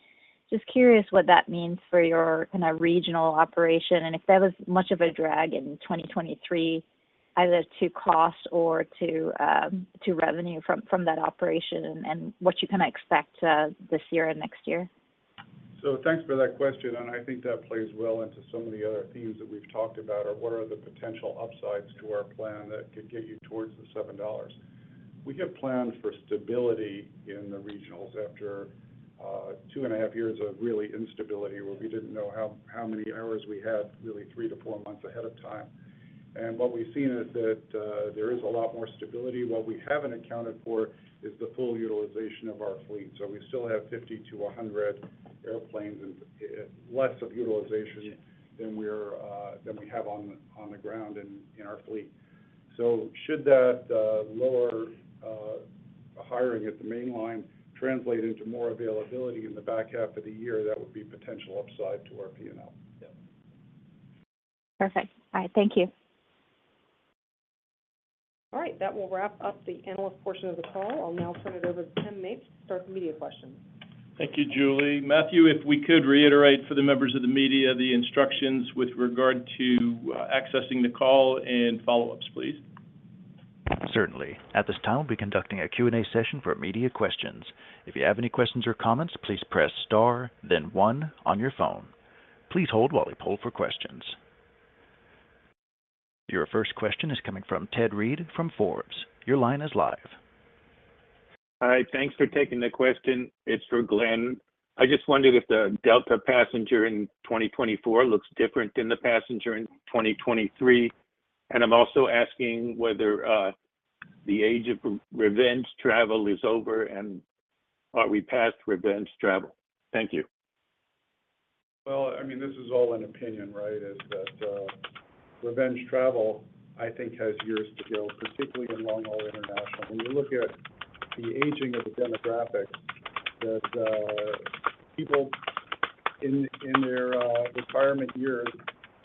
Just curious what that means for your kinda regional operation, and if that was much of a drag in 2023, either to cost or to revenue from that operation, and what you kinda expect this year and next year. So thanks for that question, and I think that plays well into some of the other themes that we've talked about, what are the potential upsides to our plan that could get you towards the $7? We have planned for stability in the regionals after 2.5 years of really instability, where we didn't know how many hours we had, really three-four months ahead of time. And what we've seen is that there is a lot more stability. What we haven't accounted for is the full utilization of our fleet, so we still have 50-100 airplanes and less of utilization than we're than we have on the ground in our fleet. So should that lower hiring at the mainline translate into more availability in the back half of the year, that would be potential upside to our P&L. Yeah. Perfect. All right, thank you. All right, that will wrap up the analyst portion of the call. I'll now turn it over to Tim Mapes to start the media questions. Thank you, Julie. Matthew, if we could reiterate for the members of the media, the instructions with regard to accessing the call and follow-ups, please. Certainly. At this time, we'll be conducting a Q&A session for media questions. If you have any questions or comments, please press star then one on your phone. Please hold while we poll for questions. Your first question is coming from Ted Reed from Forbes. Your line is live. Hi, thanks for taking the question. It's for Glen. I just wondered if the Delta passenger in 2024 looks different than the passenger in 2023. And I'm also asking whether the age of revenge travel is over and are we past revenge travel? Thank you. Well, I mean, this is all an opinion, right? Is that revenge travel, I think has years to go, particularly among all international. When you look at the aging of the demographic, that people in their retirement years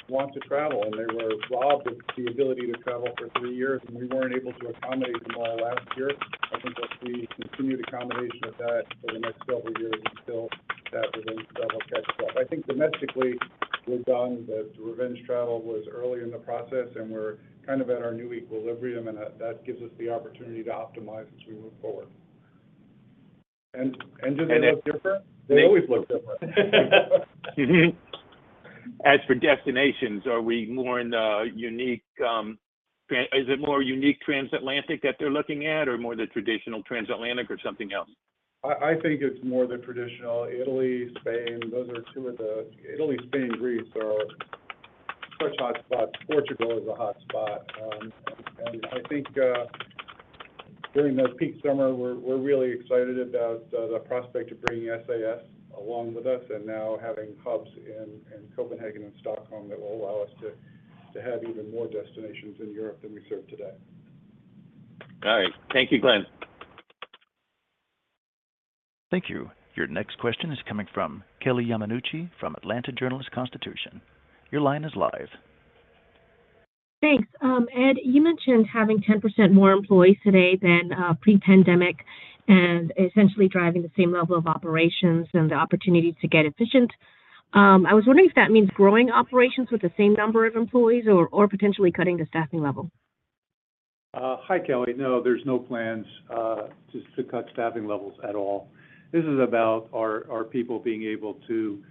want to travel, and they were robbed of the ability to travel for three years, and we weren't able to accommodate them all last year. I think that we continue the accommodation of that for the next several years until that revenge travel catches up. I think domestically, we've gotten that revenge travel was early in the process, and we're kind of at our new equilibrium, and that gives us the opportunity to optimize as we move forward. And do they look different? They- They always look different. As for destinations, are we more in the unique, is it more unique transatlantic that they're looking at, or more the traditional transatlantic or something else? I think it's more the traditional Italy, Spain. Italy, Spain, and Greece are fresh hot spots. Portugal is a hot spot. I think during this peak summer, we're really excited about the prospect of bringing SAS along with us and now having hubs in Copenhagen and Stockholm that will allow us to have even more destinations in Europe than we serve today. All right. Thank you, Glen. Thank you. Your next question is coming from Kelly Yamanouchi from The Atlanta Journal-Constitution. Your line is live. Thanks. Ed, you mentioned having 10% more employees today than pre-pandemic and essentially driving the same level of operations and the opportunity to get efficient. I was wondering if that means growing operations with the same number of employees or, or potentially cutting the staffing level? Hi, Kelly. No, there's no plans to cut staffing levels at all. This is about our people being able to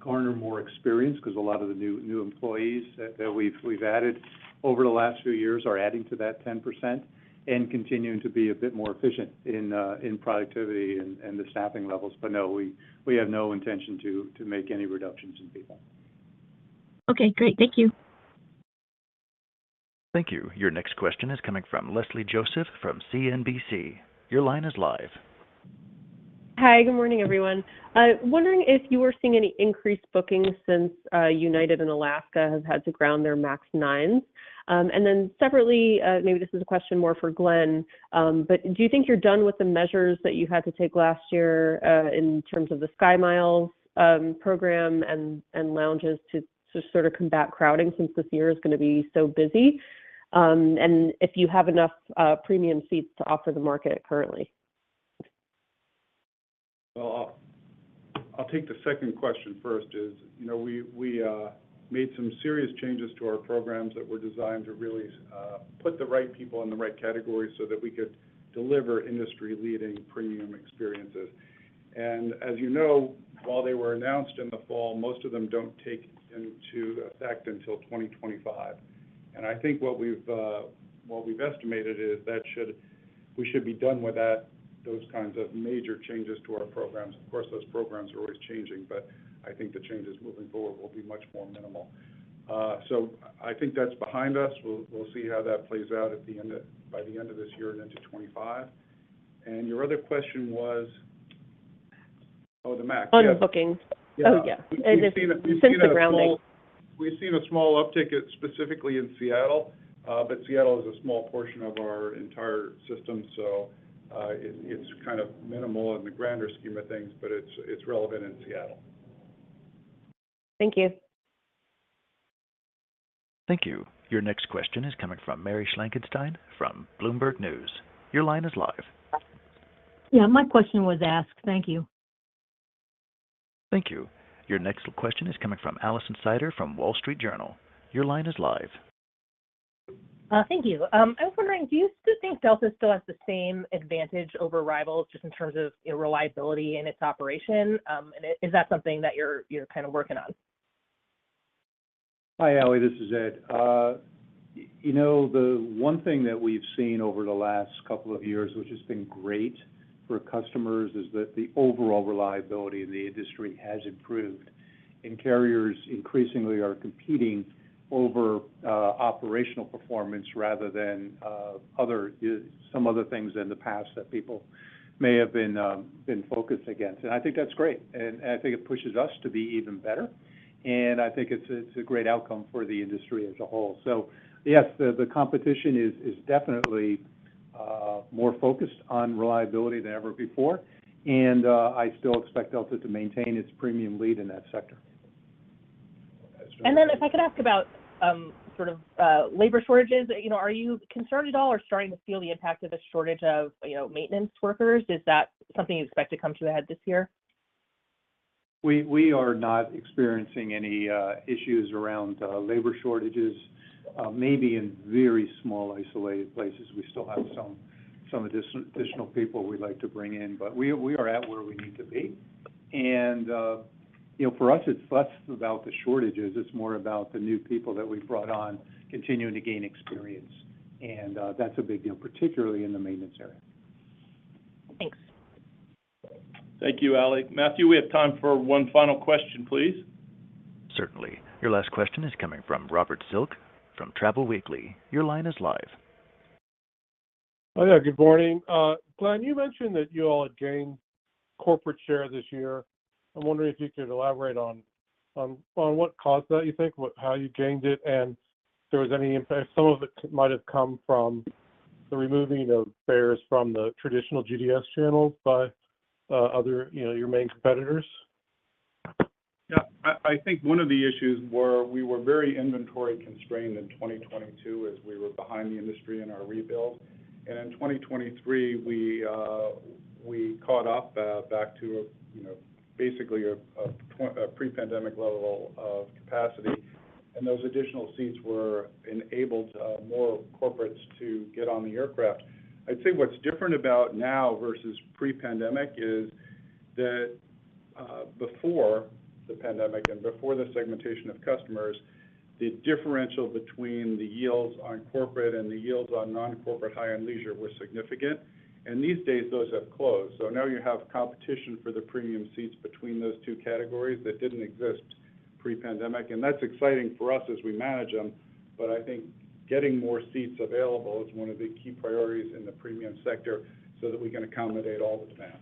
garner more experience because a lot of the new employees that we've added over the last few years are adding to that 10% and continuing to be a bit more efficient in productivity and the staffing levels. But no, we have no intention to make any reductions in people. Okay, great. Thank you. Thank you. Your next question is coming from Leslie Josephs, from CNBC. Your line is live. Hi, good morning, everyone. Wondering if you were seeing any increased bookings since United and Alaska have had to ground their MAX 9s? And then separately, maybe this is a question more for Glen, but do you think you're done with the measures that you had to take last year in terms of the SkyMiles program and lounges to sort of combat crowding since this year is gonna be so busy? And if you have enough premium seats to offer the market currently? Well, I'll take the second question first, you know, we made some serious changes to our programs that were designed to really put the right people in the right categories so that we could deliver industry-leading premium experiences. And as you know, while they were announced in the fall, most of them don't take into effect until 2025. And I think what we've estimated is that we should be done with that, those kinds of major changes to our programs. Of course, those programs are always changing, but I think the changes moving forward will be much more minimal. So I think that's behind us. We'll see how that plays out by the end of this year and into 2025. And your other question was? MAX. Oh, the MAX. On booking. Yeah. Oh, yeah. We've seen. Since the grounding. We've seen a small uptick, specifically in Seattle. But Seattle is a small portion of our entire system, so, it's kind of minimal in the grander scheme of things, but it's relevant in Seattle. Thank you. Thank you. Your next question is coming from Mary Schlangenstein from Bloomberg News. Your line is live. Yeah, my question was asked. Thank you. Thank you. Your next question is coming from Alison Sider from Wall Street Journal. Your line is live. Thank you. I was wondering, do you still think Delta still has the same advantage over rivals, just in terms of, you know, reliability in its operation? Is that something that you're kind of working on? Hi, Ali, this is Ed. You know, the one thing that we've seen over the last couple of years, which has been great for customers, is that the overall reliability in the industry has improved, and carriers increasingly are competing over operational performance rather than other, some other things in the past that people may have been focused against. I think that's great, and I think it pushes us to be even better, and I think it's a great outcome for the industry as a whole. So yes, the competition is definitely more focused on reliability than ever before, and I still expect Delta to maintain its premium lead in that sector. Then if I could ask about sort of labor shortages. You know, are you concerned at all or starting to feel the impact of a shortage of, you know, maintenance workers? Is that something you expect to come to a head this year? We are not experiencing any issues around labor shortages. Maybe in very small, isolated places. We still have some additional people we'd like to bring in, but we are at where we need to be. You know, for us, it's less about the shortages, it's more about the new people that we've brought on, continuing to gain experience. That's a big deal, particularly in the maintenance area. Thanks. Thank you, Ali. Matthew, we have time for one final question, please. Certainly. Your last question is coming from Robert Silk, from Travel Weekly. Your line is live. Oh, yeah, good morning. Glen, you mentioned that you all had gained corporate share this year. I'm wondering if you could elaborate on what caused that, you think, how you gained it, and if there was any impact. Some of it might have come from the removing of fares from the traditional GDS channels by, other, you know, your main competitors. Yeah. I think one of the issues were, we were very inventory-constrained in 2022, as we were behind the industry in our rebuild. And in 2023, we, we caught up, back to a, you know, basically a, a, a pre-pandemic level of capacity, and those additional seats were enabled, more corporates to get on the aircraft. I'd say what's different about now versus pre-pandemic is that, before the pandemic and before the segmentation of customers, the differential between the yields on corporate and the yields on non-corporate high-end leisure were significant, and these days, those have closed. So now you have competition for the premium seats between those two categories that didn't exist pre-pandemic, and that's exciting for us as we manage them. But I think getting more seats available is one of the key priorities in the premium sector so that we can accommodate all the demand.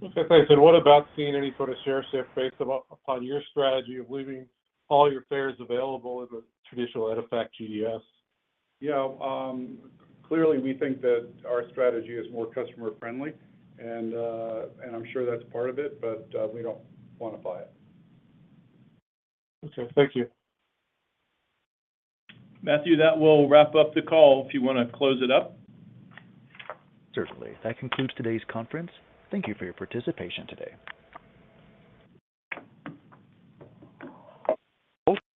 Okay, thanks. What about seeing any sort of share shift based upon your strategy of leaving all your fares available as a traditional EDIFACT GDS? Yeah, clearly, we think that our strategy is more customer-friendly, and I'm sure that's part of it, but we don't quantify it. Okay. Thank you. Matthew, that will wrap up the call if you wanna close it up. Certainly. That concludes today's conference. Thank you for your participation today.